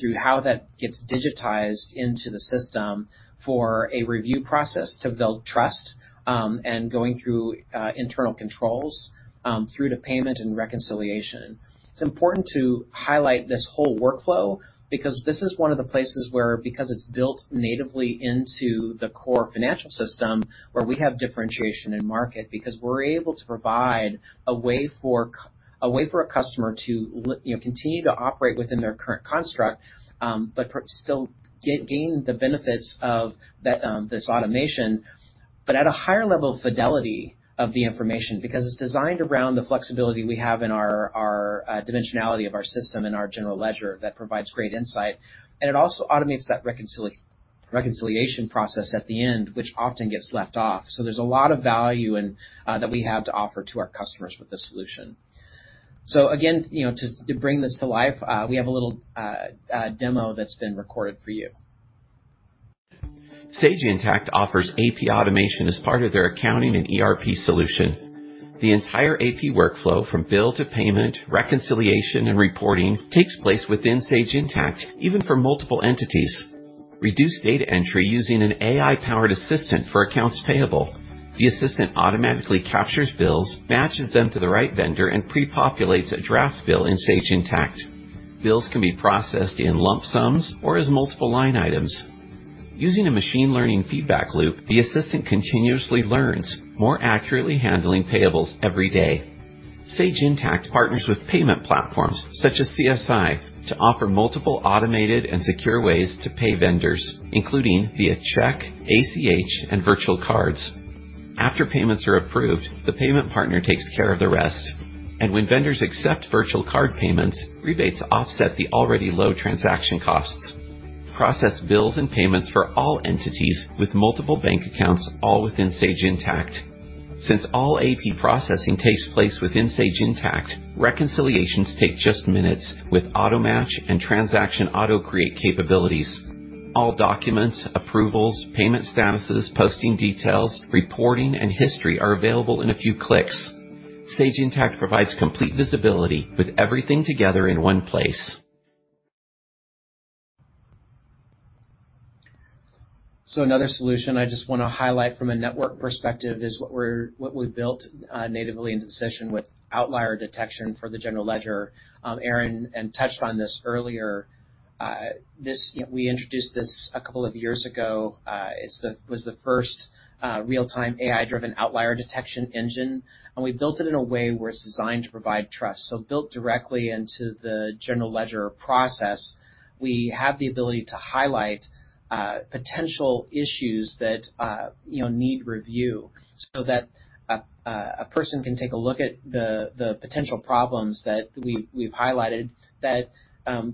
through how that gets digitized into the system for a review process to build trust and going through internal controls through to payment and reconciliation. It's important to highlight this whole workflow because this is one of the places where because it's built natively into the core financial system where we have differentiation in market because we're able to provide a way for a customer to continue to operate within their current construct but still gain the benefits of that this automation but at a higher level of fidelity of the information because it's designed around the flexibility we have in our dimensionality of our system and our general ledger that provides great insight. It also automates that reconciliation process at the end, which often gets left off. There's a lot of value in that we have to offer to our customers with this solution. Again, you know, to bring this to life, we have a little demo that's been recorded for you. Sage Intacct offers AP automation as part of their accounting and ERP solution. The entire AP workflow, from bill to payment, reconciliation, and reporting, takes place within Sage Intacct, even for multiple entities. Reduce data entry using an AI-powered assistant for accounts payable. The assistant automatically captures bills, matches them to the right vendor, and prepopulates a draft bill in Sage Intacct. Bills can be processed in lump sums or as multiple line items. Using a machine learning feedback loop, the assistant continuously learns, more accurately handling payables every day. Sage Intacct partners with payment platforms, such as CSI, to offer multiple automated and secure ways to pay vendors, including via check, ACH, and virtual cards. After payments are approved, the payment partner takes care of the rest. When vendors accept virtual card payments, rebates offset the already low transaction costs. Process bills and payments for all entities with multiple bank accounts all within Sage Intacct. Since all AP processing takes place within Sage Intacct, reconciliations take just minutes with auto-match and transaction auto-create capabilities. All documents, approvals, payment statuses, posting details, reporting, and history are available in a few clicks. Sage Intacct provides complete visibility with everything together in one place. Another solution I just want to highlight from a network perspective is what we've built natively into the system with outlier detection for the general ledger. Aaron touched on this earlier. You know, we introduced this a couple of years ago. It was the first real-time, AI-driven outlier detection engine, and we built it in a way where it's designed to provide trust. Built directly into the general ledger process, we have the ability to highlight potential issues that you know need review so that a person can take a look at the potential problems that we've highlighted that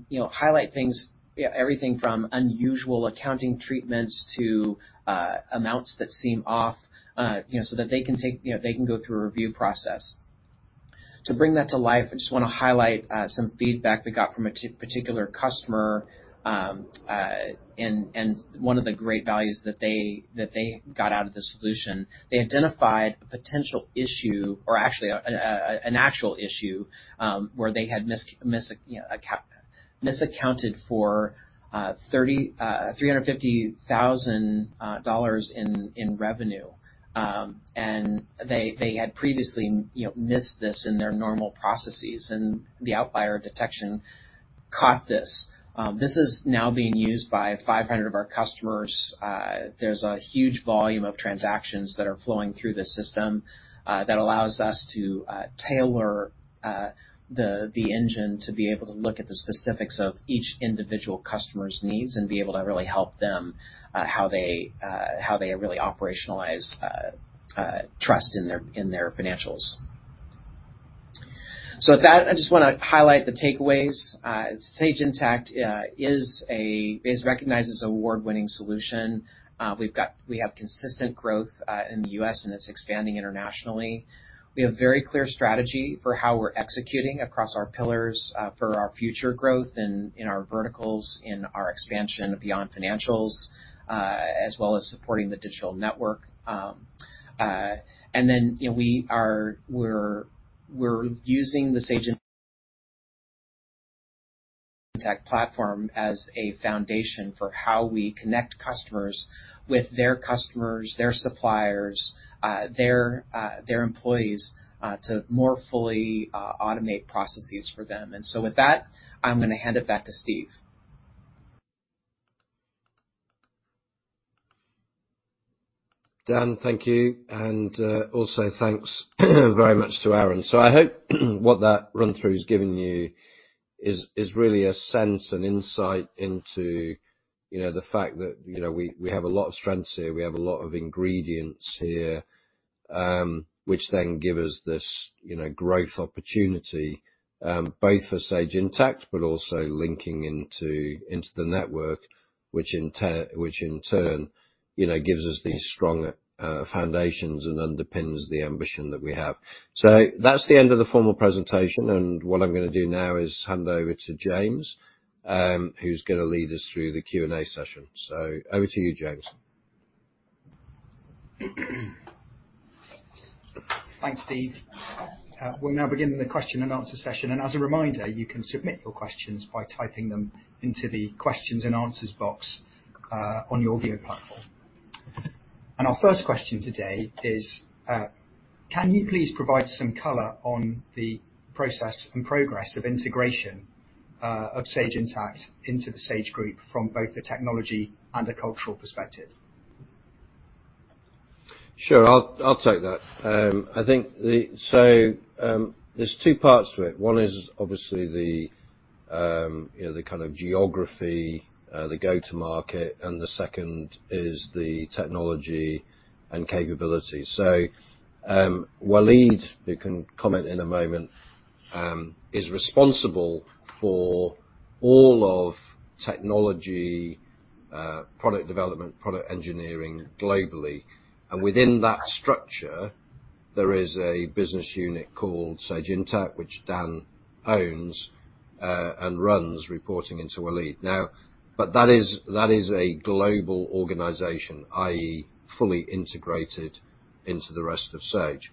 you know highlight things, you know, everything from unusual accounting treatments to amounts that seem off, you know, so that they can take. You know, they can go through a review process. To bring that to life, I just wanna highlight some feedback we got from a particular customer, and one of the great values that they got out of the solution. They identified a potential issue or actually an actual issue, where they had misaccounted for $350,000 in revenue. They had previously, you know, missed this in their normal processes, and the outlier detection caught this. This is now being used by 500 of our customers. There's a huge volume of transactions that are flowing through the system that allows us to tailor the engine to be able to look at the specifics of each individual customer's needs and be able to really help them how they really operationalize trust in their financials. With that, I just wanna highlight the takeaways. Sage Intacct is recognized as award-winning solution. We have consistent growth in the U.S., and it's expanding internationally. We have very clear strategy for how we're executing across our pillars for our future growth in our verticals, in our expansion beyond financials, as well as supporting the digital network. You know, we're using the Sage Intacct platform as a foundation for how we connect customers with their customers, their suppliers, their employees, to more fully automate processes for them. With that, I'm gonna hand it back to Steve. Dan, thank you, and also thanks very much to Aaron. I hope what that run-through has given you is really a sense and insight into, you know, the fact that, you know, we have a lot of strengths here, we have a lot of ingredients here, which then give us this, you know, growth opportunity, both for Sage Intacct but also linking into the network, which in turn, you know, gives us these strong foundations and underpins the ambition that we have. That's the end of the formal presentation, and what I'm gonna do now is hand over to James, who's gonna lead us through the Q&A session. Over to you, James. Thanks, Steve. We'll now begin the question and answer session. As a reminder, you can submit your questions by typing them into the questions and answers box on your view platform. Our first question today is, can you please provide some color on the process and progress of integration of Sage Intacct into the Sage Group from both a technology and a cultural perspective? Sure. I'll take that. I think there's two parts to it. One is obviously the you know, the kind of geography, the go-to market, and the second is the technology and capability. Walid, who can comment in a moment, is responsible for all of technology, product development, product engineering globally. Within that structure, there is a business unit called Sage Intacct, which Dan owns and runs, reporting into Walid. That is a global organization, i.e., fully integrated into the rest of Sage.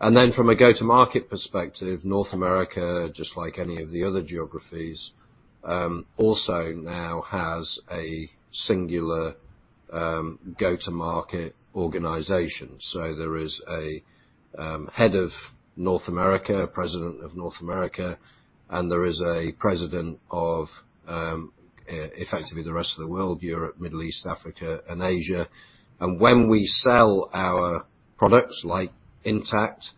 Then from a go-to-market perspective, North America, just like any of the other geographies, also now has a singular go-to-market organization. There is a head of North America, president of North America, and there is a president of effectively the rest of the world, Europe, Middle East, Africa, and Asia. When we sell our products, like Intacct,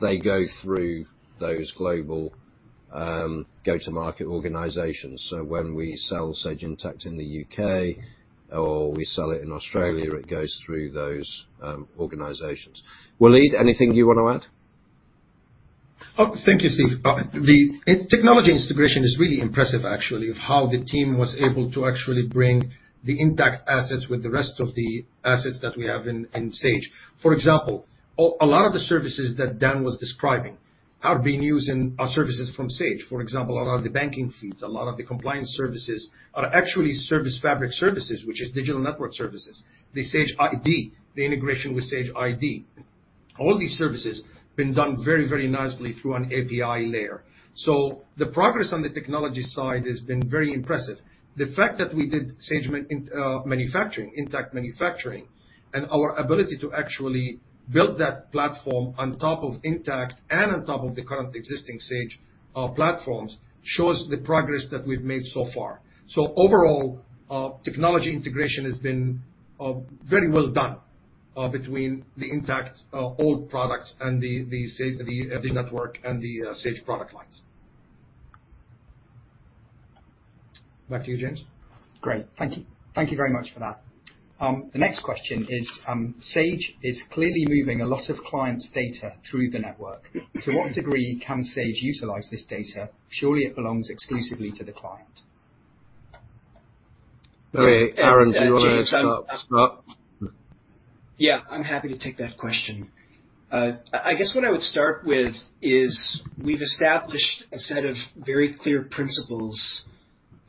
they go through those global go-to-market organizations. When we sell Sage Intacct in the U.K. or we sell it in Australia, it goes through those organizations. Walid, anything you wanna add? Oh, thank you, Steve. The technology integration is really impressive, actually, of how the team was able to actually bring the Intacct assets with the rest of the assets that we have in Sage. For example, a lot of the services that Dan was describing are being used in our services from Sage. For example, a lot of the banking feeds, a lot of the compliance services are actually service fabric services, which is digital network services. The Sage ID, the integration with Sage ID, all these services been done very, very nicely through an API layer. The progress on the technology side has been very impressive. The fact that we did Sage manufacturing, Intacct manufacturing, and our ability to actually build that platform on top of Intacct and on top of the current existing Sage platforms shows the progress that we've made so far. Overall, technology integration has been very well done between the Intacct old products and the Sage network and the Sage product lines. Back to you, James. Great. Thank you. Thank you very much for that. The next question is, Sage is clearly moving a lot of clients' data through the network. To what degree can Sage utilize this data? Surely, it belongs exclusively to the client. Okay, Aaron, do you wanna start? Yeah, I'm happy to take that question. I guess what I would start with is we've established a set of very clear principles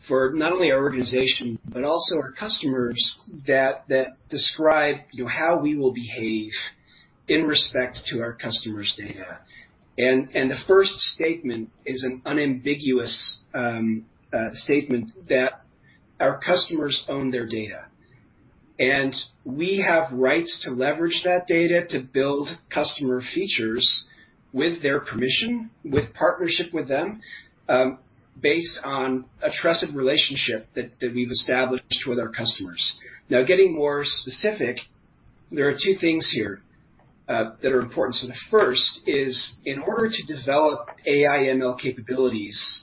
for not only our organization but also our customers that describe, you know, how we will behave in respect to our customer's data. The first statement is an unambiguous statement that our customers own their data, and we have rights to leverage that data to build customer features with their permission, with partnership with them, based on a trusted relationship that we've established with our customers. Now, getting more specific, there are two things here that are important. The first is, in order to develop AI ML capabilities,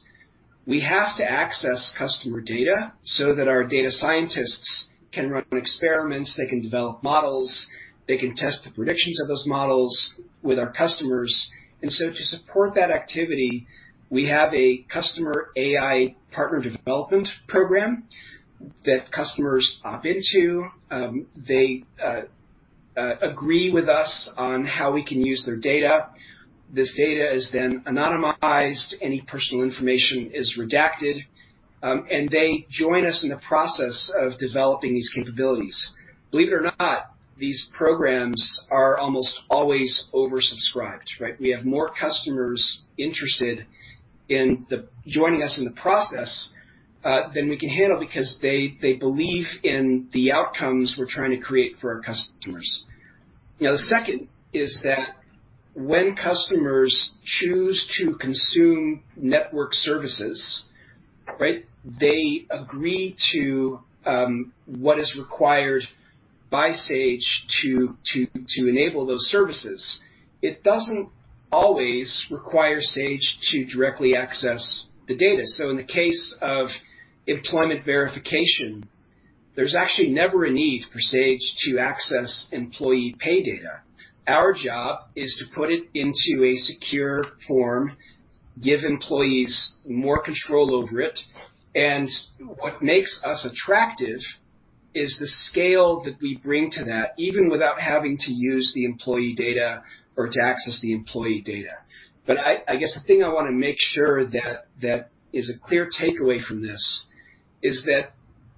we have to access customer data so that our data scientists can run experiments, they can develop models, they can test the predictions of those models with our customers. To support that activity, we have a customer AI partner development program that customers opt into. They agree with us on how we can use their data. This data is then anonymized. Any personal information is redacted, and they join us in the process of developing these capabilities. Believe it or not, these programs are almost always oversubscribed, right? We have more customers interested in joining us in the process than we can handle because they believe in the outcomes we're trying to create for our customers. You know, the second is that when customers choose to consume network services, right, they agree to what is required by Sage to enable those services. It doesn't always require Sage to directly access the data. In the case of employment verification, there's actually never a need for Sage to access employee pay data. Our job is to put it into a secure form, give employees more control over it, and what makes us attractive is the scale that we bring to that, even without having to use the employee data or to access the employee data. I guess the thing I wanna make sure that is a clear takeaway from this, is that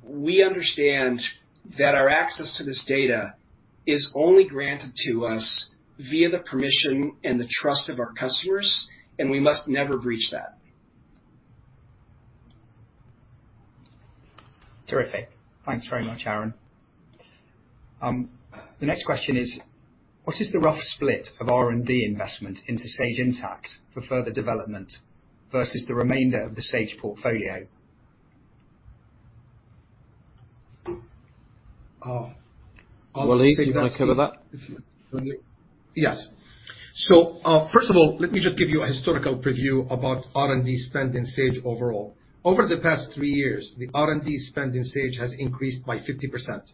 we understand that our access to this data is only granted to us via the permission and the trust of our customers, and we must never breach that. Terrific. Thanks very much, Aaron. The next question is, what is the rough split of R&D investment into Sage Intacct for further development versus the remainder of the Sage portfolio? Walid, do you wanna cover that? Yes. First of all, let me just give you a historical preview about R&D spend in Sage overall. Over the past three years, the R&D spend in Sage has increased by 50%.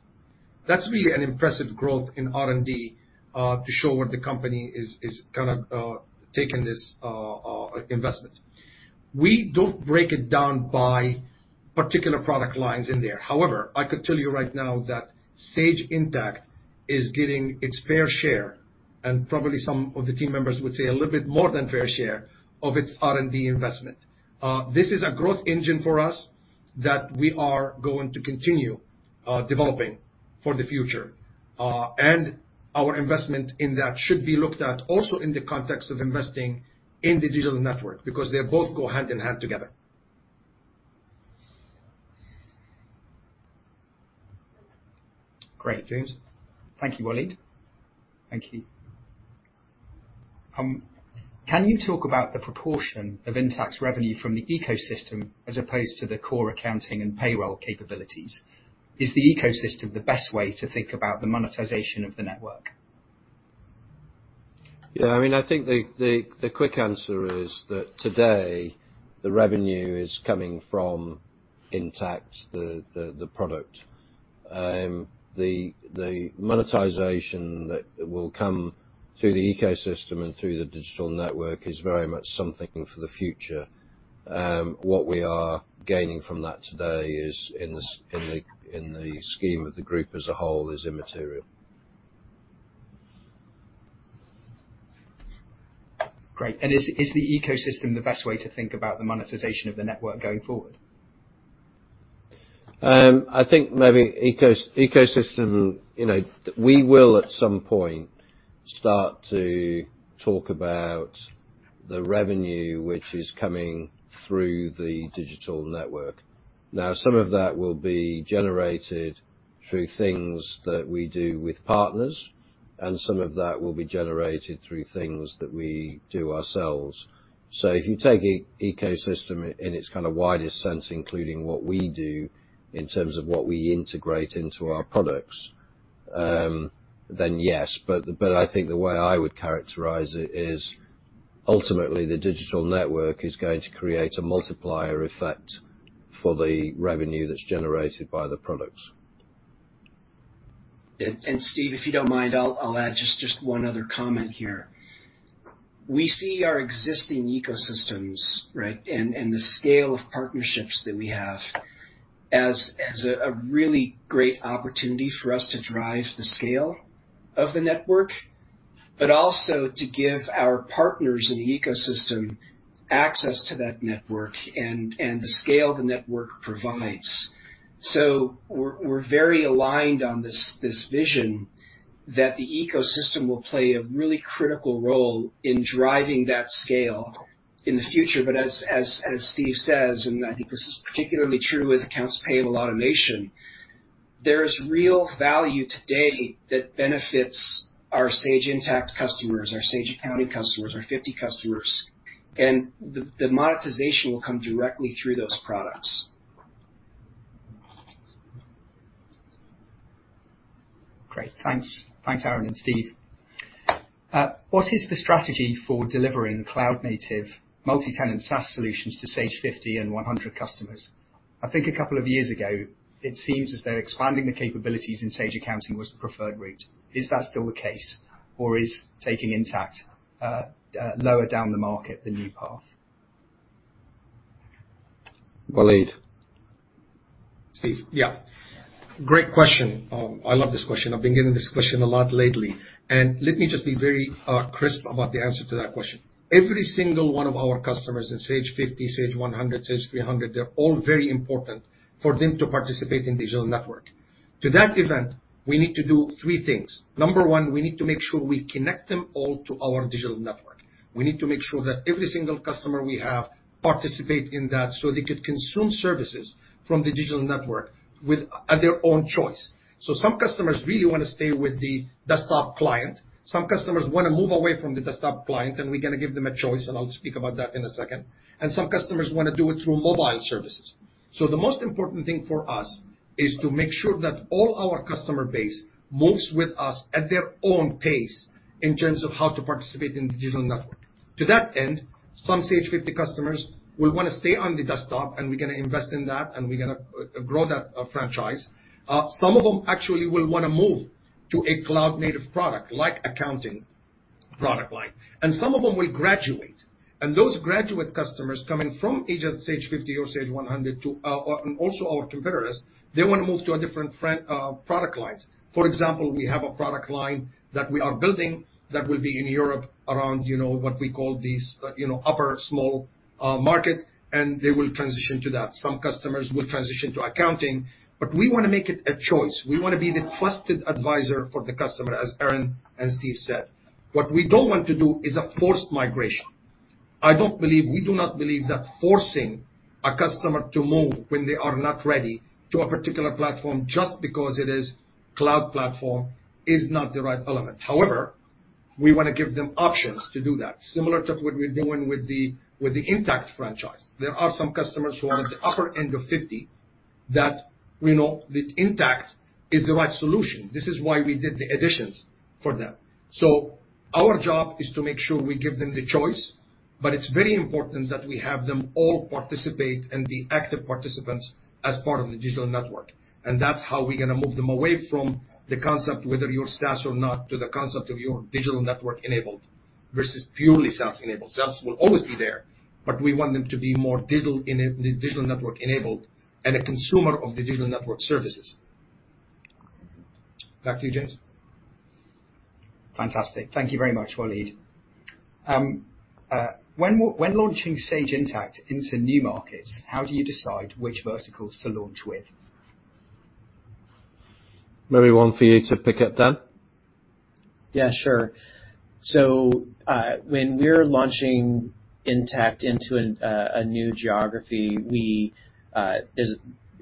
That's really an impressive growth in R&D to show where the company is kinda taking this investment. We don't break it down by particular product lines in there. However, I could tell you right now that Sage Intacct is getting its fair share, and probably some of the team members would say a little bit more than fair share of its R&D investment. This is a growth engine for us that we are going to continue developing for the future. Our investment in that should be looked at also in the context of investing in the digital network, because they both go hand in hand together. Great, James. Thank you, Walid. Thank you. Can you talk about the proportion of Intacct's revenue from the ecosystem as opposed to the core accounting and payroll capabilities? Is the ecosystem the best way to think about the monetization of the network? Yeah. I mean, I think the quick answer is that today the revenue is coming from Intacct, the product. The monetization that will come through the ecosystem and through the digital network is very much something for the future. What we are gaining from that today is in the scheme of the group as a whole, is immaterial. Great. Is the ecosystem the best way to think about the monetization of the network going forward? I think maybe ecosystem, you know, we will at some point start to talk about the revenue which is coming through the digital network. Now, some of that will be generated through things that we do with partners, and some of that will be generated through things that we do ourselves. If you take ecosystem in its kinda widest sense, including what we do in terms of what we integrate into our products, then yes. I think the way I would characterize it is ultimately the digital network is going to create a multiplier effect for the revenue that's generated by the products. Steve, if you don't mind, I'll add just one other comment here. We see our existing ecosystems, right? The scale of partnerships that we have as a really great opportunity for us to drive the scale of the network, but also to give our partners in the ecosystem access to that network and the scale the network provides. We're very aligned on this vision that the ecosystem will play a really critical role in driving that scale in the future. As Steve says, and I think this is particularly true with accounts payable automation, there is real value today that benefits our Sage Intacct customers, our Sage Accounting customers, Sage 50 customers, and the monetization will come directly through those products. Great. Thanks. Thanks, Aaron and Steve. What is the strategy for delivering cloud-native multi-tenant SaaS solutions to Sage 50 and 100 customers? I think a couple of years ago, it seems as though expanding the capabilities in Sage Accounting was the preferred route. Is that still the case, or is taking Intacct lower down the market the new path? Walid. Steve, yeah. Great question. I love this question. I've been getting this question a lot lately. Let me just be very crisp about the answer to that question. Every single one of our customers in Sage 50, Sage 100, Sage 300, they're all very important for them to participate in digital network. To that end, we need to do three things. Number one, we need to make sure we connect them all to our digital network. We need to make sure that every single customer we have participate in that, so they could consume services from the digital network with at their own choice. Some customers really wanna stay with the desktop client. Some customers wanna move away from the desktop client, and we're gonna give them a choice, and I'll speak about that in a second. Some customers wanna do it through mobile services. The most important thing for us is to make sure that all our customer base moves with us at their own pace in terms of how to participate in the digital network. To that end, some Sage 50 customers will wanna stay on the desktop, and we're gonna invest in that, and we're gonna grow that franchise. Some of them actually will wanna move to a cloud-native product like accounting product line. Some of them will graduate, and those graduate customers coming from either Sage 50 or Sage 100, and also our competitors, they wanna move to a different franchise product lines. For example, we have a product line that we are building that will be in Europe around, you know, what we call these, you know, upper small market, and they will transition to that. Some customers will transition to accounting. We wanna make it a choice. We wanna be the trusted advisor for the customer, as Aaron, as Steve said. What we don't want to do is a forced migration. I don't believe we do not believe that forcing a customer to move when they are not ready to a particular platform just because it is cloud platform is not the right element. However, we wanna give them options to do that, similar to what we're doing with the Intacct franchise. There are some customers who are at the upper end of 50 that we know that Intacct is the right solution. This is why we did the additions for them. Our job is to make sure we give them the choice, but it's very important that we have them all participate and be active participants as part of the digital network, and that's how we're gonna move them away from the concept, whether you're SaaS or not, to the concept of your digital network enabled versus purely SaaS-enabled. SaaS will always be there, but we want them to be more digital network enabled and a consumer of the digital network services. Back to you, James. Fantastic. Thank you very much, Walid. When launching Sage Intacct into new markets, how do you decide which verticals to launch with? Maybe one for you to pick up, Dan. Yeah, sure. When we're launching Intacct into a new geography, we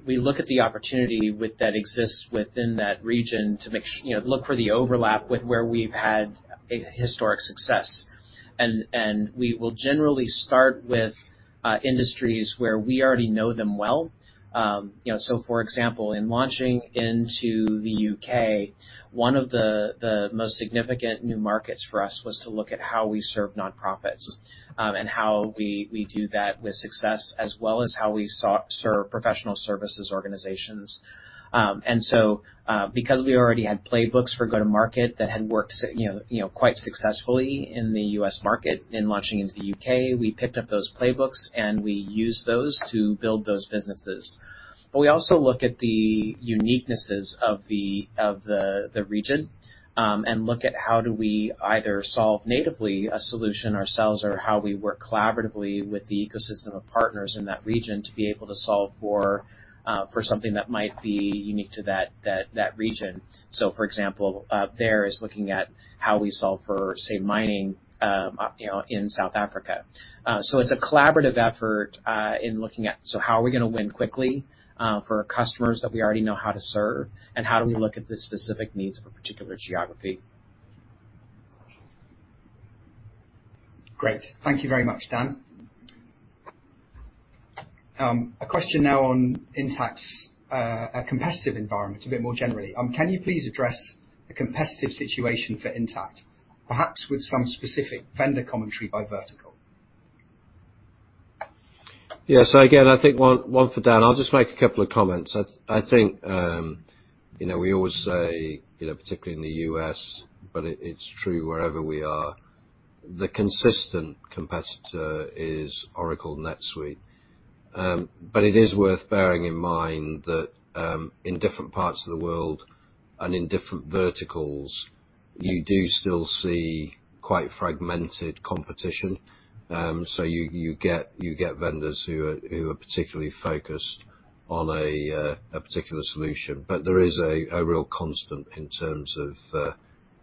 look at the opportunity that exists within that region to, you know, look for the overlap with where we've had a historic success. We will generally start with industries where we already know them well. You know, for example, in launching into the U.K., one of the most significant new markets for us was to look at how we serve nonprofits, and how we do that with success, as well as how we serve professional services organizations. Because we already had playbooks for go-to-market that had worked so, you know, quite successfully in the U.S. market in launching into the U.K., we picked up those playbooks, and we used those to build those businesses. We also look at the uniquenesses of the region and look at how we either solve natively a solution ourselves or how we work collaboratively with the ecosystem of partners in that region to be able to solve for something that might be unique to that region. For example, there is looking at how we solve for, say, mining, you know, in South Africa. It's a collaborative effort in looking at how we are gonna win quickly for customers that we already know how to serve, and how we look at the specific needs of a particular geography. Great. Thank you very much, Dan. A question now on Intacct's competitive environment, a bit more generally. Can you please address the competitive situation for Intacct, perhaps with some specific vendor commentary by vertical? Yes. Again, I think one for Dan. I'll just make a couple of comments. I think, you know, we always say, you know, particularly in the U.S., but it's true wherever we are, the consistent competitor is Oracle NetSuite. It is worth bearing in mind that, in different parts of the world and in different verticals, you do still see quite fragmented competition. You get vendors who are particularly focused on a particular solution. There is a real constant in terms of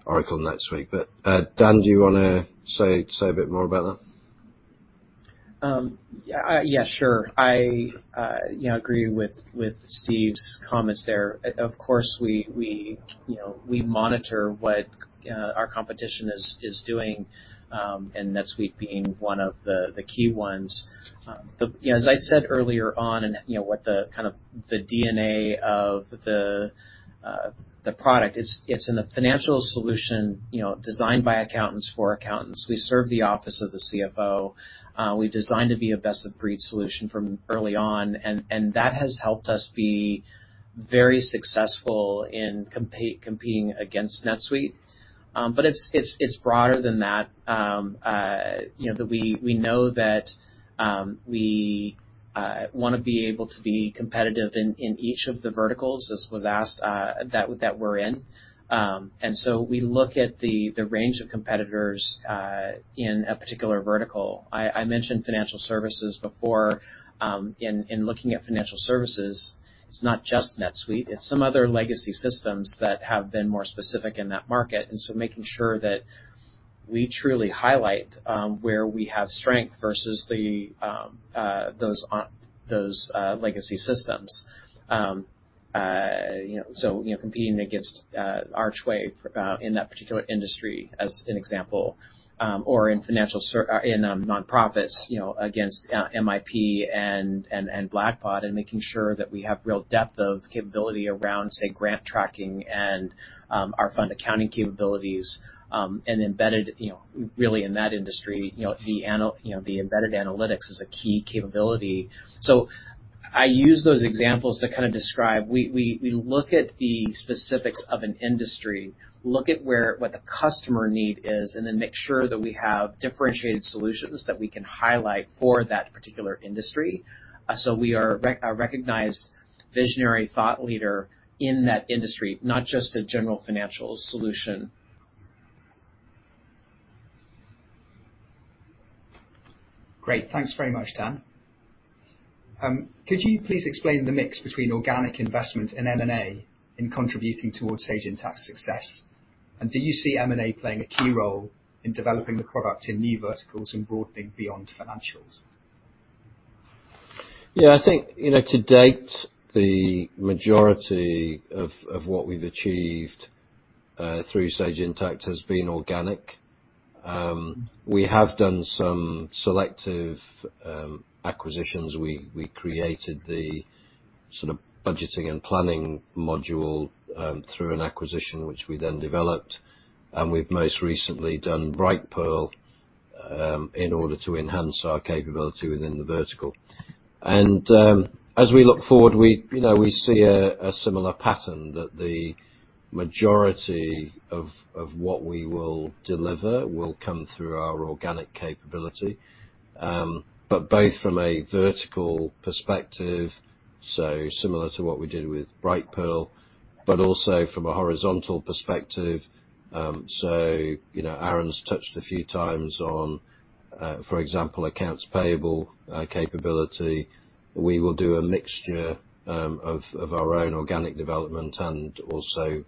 Oracle NetSuite. Dan, do you wanna say a bit more about that? Yeah, sure. I you know agree with Steve's comments there. Of course, we you know monitor what our competition is doing, and NetSuite being one of the key ones. Yeah, as I said earlier on and you know what the kind of the DNA of the product is, it's a financial solution you know designed by accountants for accountants. We serve the office of the CFO. We've designed to be a best-of-breed solution from early on, and that has helped us be very successful in competing against NetSuite. It's broader than that. You know that we know that we wanna be able to be competitive in each of the verticals, as was asked that we're in. We look at the range of competitors in a particular vertical. I mentioned financial services before, in looking at financial services, it's not just NetSuite, it's some other legacy systems that have been more specific in that market, making sure that we truly highlight where we have strength versus those legacy systems. You know, competing against Archway in that particular industry as an example, or in nonprofits, you know, against MIP and Blackbaud, making sure that we have real depth of capability around, say, grant tracking and our fund accounting capabilities, and embedded, you know, really in that industry, you know, the embedded analytics is a key capability. I use those examples to kind of describe we look at the specifics of an industry, look at what the customer need is, and then make sure that we have differentiated solutions that we can highlight for that particular industry, so we are a recognized visionary thought leader in that industry, not just a general financial solution. Great. Thanks very much, Dan. Could you please explain the mix between organic investment and M&A in contributing towards Sage Intacct's success? Do you see M&A playing a key role in developing the product in new verticals and broadening beyond financials? Yeah, I think, you know, to date, the majority of what we've achieved through Sage Intacct has been organic. We have done some selective acquisitions. We created the sort of budgeting and planning module through an acquisition, which we then developed. We've most recently done Brightpearl in order to enhance our capability within the vertical. As we look forward, you know, we see a similar pattern that the majority of what we will deliver will come through our organic capability. Both from a vertical perspective, so similar to what we did with Brightpearl, but also from a horizontal perspective. You know, Aaron's touched a few times on, for example, accounts payable capability. We will do a mixture of our own organic development and also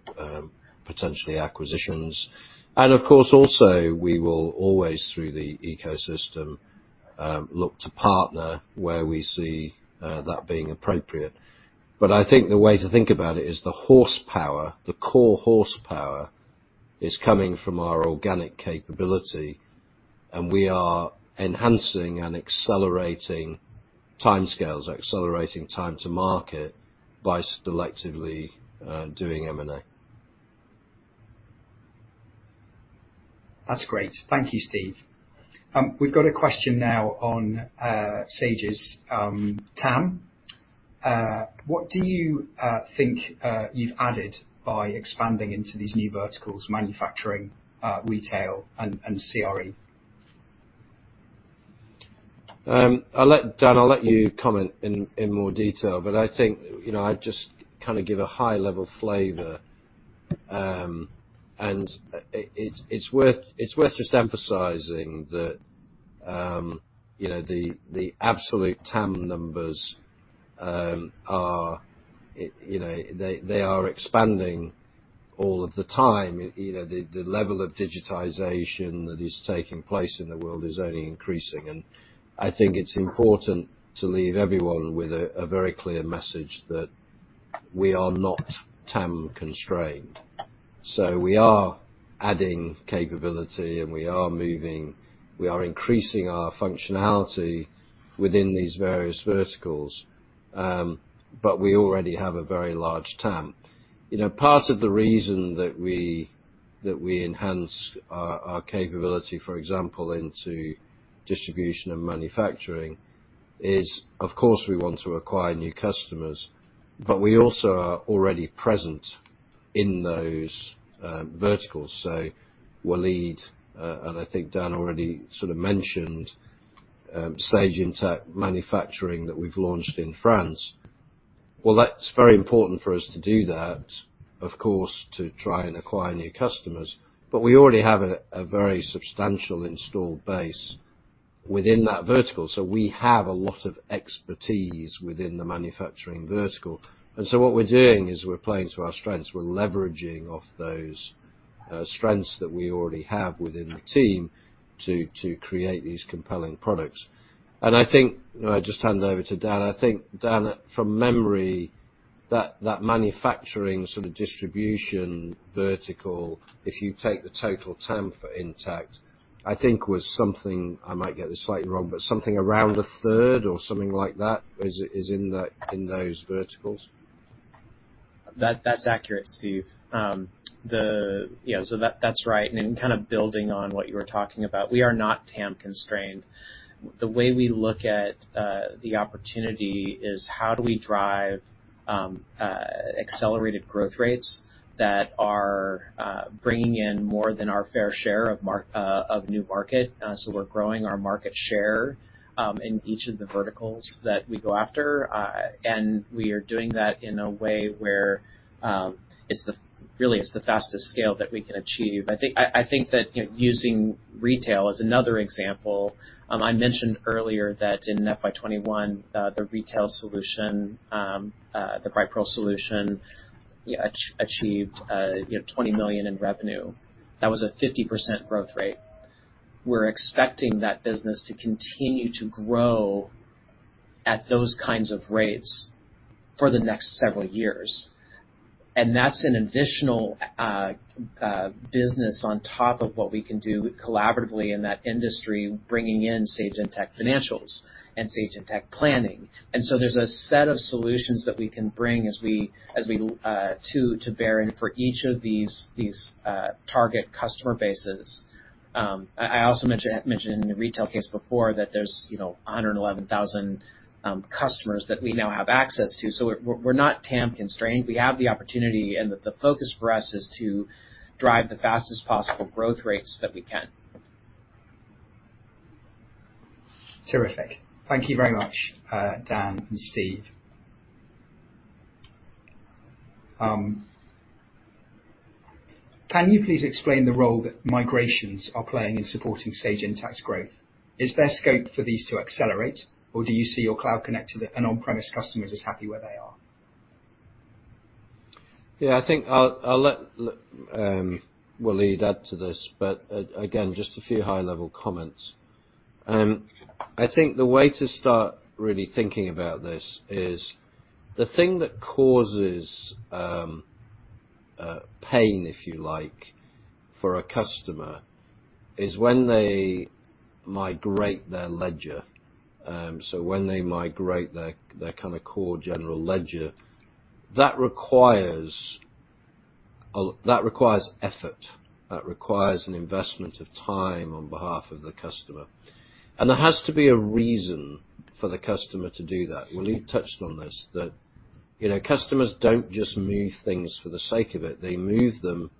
potentially acquisitions. Of course, also, we will always, through the ecosystem, look to partner where we see, that being appropriate. I think the way to think about it is the horsepower, the core horsepower is coming from our organic capability, and we are enhancing and accelerating timescales, accelerating time to market by selectively, doing M&A. That's great. Thank you, Steve. We've got a question now on Sage's TAM. What do you think you've added by expanding into these new verticals: manufacturing, retail, and CRE? I'll let Dan comment in more detail, but I think, you know, I'd just kinda give a high-level flavor. It's worth just emphasizing that, you know, the absolute TAM numbers are. You know, they are expanding all of the time. You know, the level of digitization that is taking place in the world is only increasing. I think it's important to leave everyone with a very clear message that we are not TAM-constrained. We are adding capability, and we are increasing our functionality within these various verticals, but we already have a very large TAM. You know, part of the reason that we enhance our capability, for example, into distribution and manufacturing is, of course, we want to acquire new customers, but we also are already present in those verticals. Walid and I think Dan already sort of mentioned Sage Intacct Manufacturing that we've launched in France. Well, that's very important for us to do that, of course, to try and acquire new customers. But we already have a very substantial installed base within that vertical, so we have a lot of expertise within the manufacturing vertical. What we're doing is we're playing to our strengths. We're leveraging off those strengths that we already have within the team to create these compelling products. I just hand over to Dan. I think, Dan, from memory, that manufacturing sort of distribution vertical, if you take the total TAM for Intacct, I think was something, I might get this slightly wrong, but something around 1/3 or something like that is in that in those verticals. That's accurate, Steve. That's right. Kind of building on what you were talking about, we are not TAM constrained. The way we look at the opportunity is how do we drive accelerated growth rates that are bringing in more than our fair share of new market. We're growing our market share in each of the verticals that we go after. We are doing that in a way where it's really the fastest scale that we can achieve. I think that, you know, using retail as another example, I mentioned earlier that in FY 2021, the retail solution, the Brightpearl solution, achieved, you know, 20 million in revenue. That was a 50% growth rate. We're expecting that business to continue to grow at those kinds of rates for the next several years. That's an additional business on top of what we can do collaboratively in that industry, bringing in Sage Intacct Financials and Sage Intacct Planning. There's a set of solutions that we can bring to bear for each of these target customer bases. I also mentioned in the retail case before that there's, you know, 111,000 customers that we now have access to. We're not TAM constrained. We have the opportunity, and the focus for us is to drive the fastest possible growth rates that we can. Terrific. Thank you very much, Dan and Steve. Can you please explain the role that migrations are playing in supporting Sage Intacct's growth? Is there scope for these to accelerate, or do you see your cloud connected and on-premise customers as happy where they are? Yeah, I think I'll let Walid add to this, but again, just a few high-level comments. I think the way to start really thinking about this is the thing that causes pain, if you like, for a customer is when they migrate their ledger. When they migrate their kind of core general ledger, that requires effort. That requires an investment of time on behalf of the customer. There has to be a reason for the customer to do that. Walid touched on this, that, you know, customers don't just move things for the sake of it. They move them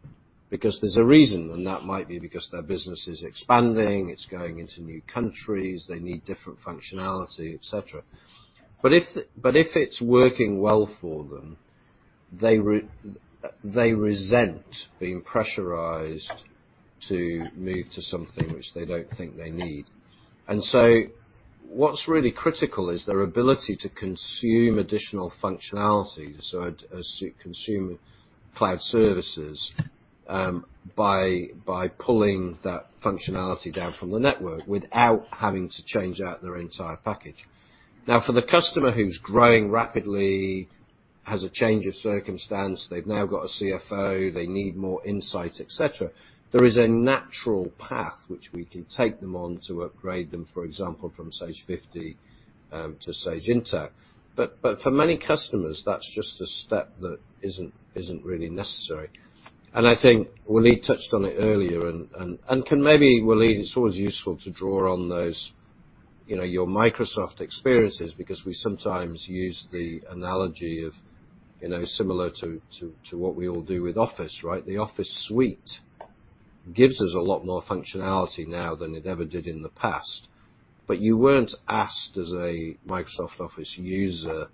because there's a reason, and that might be because their business is expanding, it's going into new countries, they need different functionality, et cetera. If it's working well for them, they resent being pressurized to move to something which they don't think they need. What's really critical is their ability to consume additional functionality, so as to consume cloud services, by pulling that functionality down from the network without having to change out their entire package. Now, for the customer who's growing rapidly, has a change of circumstance, they've now got a CFO, they need more insight, et cetera, there is a natural path which we can take them on to upgrade them, for example, from Sage 50 to Sage Intacct. For many customers, that's just a step that isn't really necessary. I think Walid touched on it earlier, and can maybe, Walid, it's always useful to draw on those, you know, your Microsoft experiences because we sometimes use the analogy of, you know, similar to what we all do with Office, right? The Office suite gives us a lot more functionality now than it ever did in the past. You weren't asked as a Microsoft Office user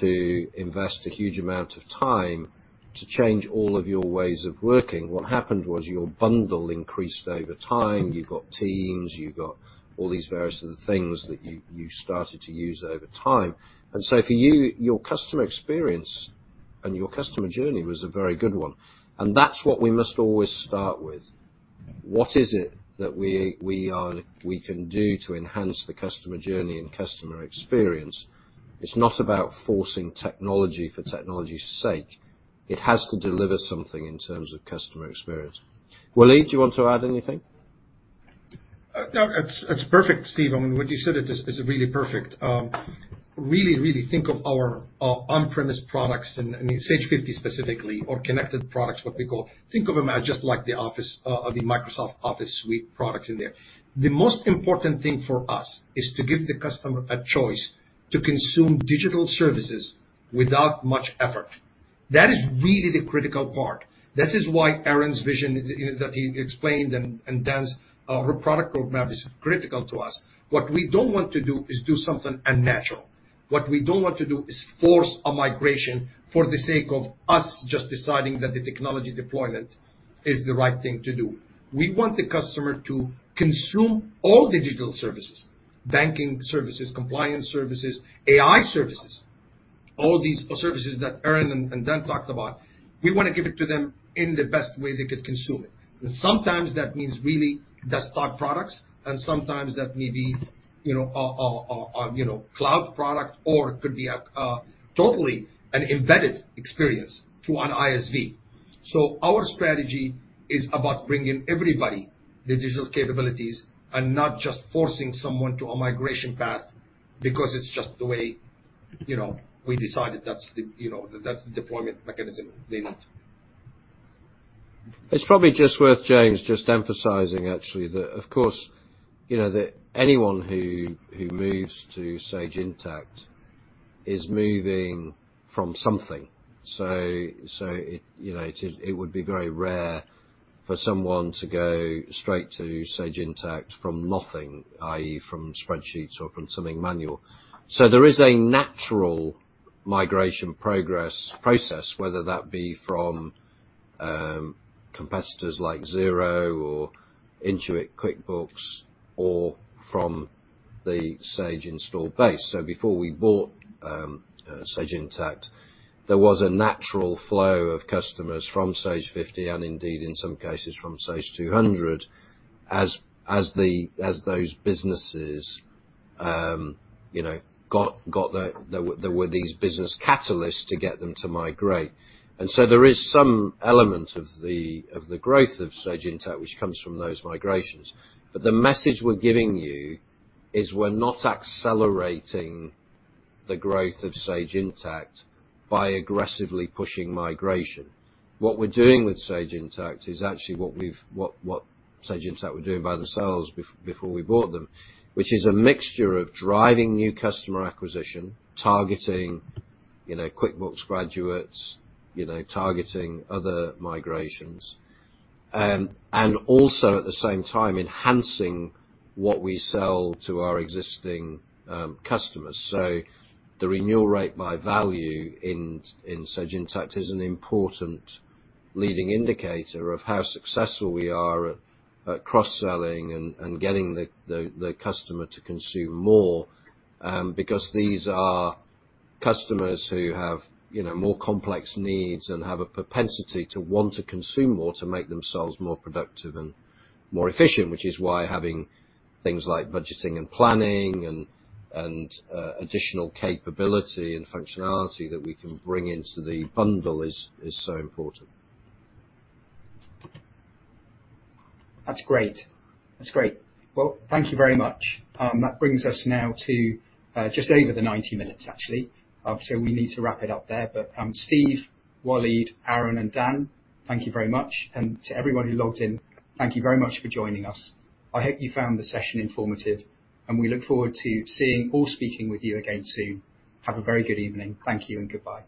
to invest a huge amount of time to change all of your ways of working. What happened was your bundle increased over time. You've got Teams, you've got all these various other things that you started to use over time. So for you, your customer experience and your customer journey was a very good one. That's what we must always start with. What is it that we can do to enhance the customer journey and customer experience? It's not about forcing technology for technology's sake. It has to deliver something in terms of customer experience. Walid, do you want to add anything? No, it's perfect, Steve. I mean, what you said it is really perfect. Really think of our on-premise products and, I mean, Sage 50 specifically, or connected products, what we call. Think of them as just like the Office, the Microsoft Office suite products in there. The most important thing for us is to give the customer a choice to consume digital services without much effort. That is really the critical part. This is why Aaron's vision is, you know, that he explained and Dan's product roadmap is critical to us. What we don't want to do is do something unnatural. What we don't want to do is force a migration for the sake of us just deciding that the technology deployment is the right thing to do. We want the customer to consume all digital services, banking services, compliance services, AI services, all these services that Aaron and Dan talked about, we wanna give it to them in the best way they could consume it. Sometimes that means really desktop products, and sometimes that may be, you know, a cloud product, or it could be a totally an embedded experience through an ISV. Our strategy is about bringing everybody the digital capabilities and not just forcing someone to a migration path because it's just the way, you know, we decided that's the, you know, that's the deployment mechanism they want. It's probably just worth, James, just emphasizing actually that of course, you know, that anyone who moves to Sage Intacct is moving from something. It, you know, it would be very rare for someone to go straight to Sage Intacct from nothing, i.e., from spreadsheets or from something manual. There is a natural migration process, whether that be from competitors like Xero or Intuit QuickBooks or from the Sage installed base. Before we bought Sage Intacct, there was a natural flow of customers from Sage 50, and indeed, in some cases from Sage 200, as those businesses you know got there. There were these business catalysts to get them to migrate. There is some element of the growth of Sage Intacct, which comes from those migrations. The message we're giving you is we're not accelerating the growth of Sage Intacct by aggressively pushing migration. What we're doing with Sage Intacct is actually what Sage Intacct were doing by themselves before we bought them, which is a mixture of driving new customer acquisition, targeting, you know, QuickBooks graduates, you know, targeting other migrations, and also at the same time enhancing what we sell to our existing customers. The renewal rate by value in Sage Intacct is an important leading indicator of how successful we are at cross-selling and getting the customer to consume more, because these are customers who have, you know, more complex needs and have a propensity to want to consume more to make themselves more productive and more efficient, which is why having things like budgeting and planning and additional capability and functionality that we can bring into the bundle is so important. That's great. Well, thank you very much. That brings us now to just over the 90 minutes, actually. We need to wrap it up there. Steve, Walid, Aaron, and Dan, thank you very much. To everyone who logged in, thank you very much for joining us. I hope you found the session informative, and we look forward to seeing or speaking with you again soon. Have a very good evening. Thank you and goodbye.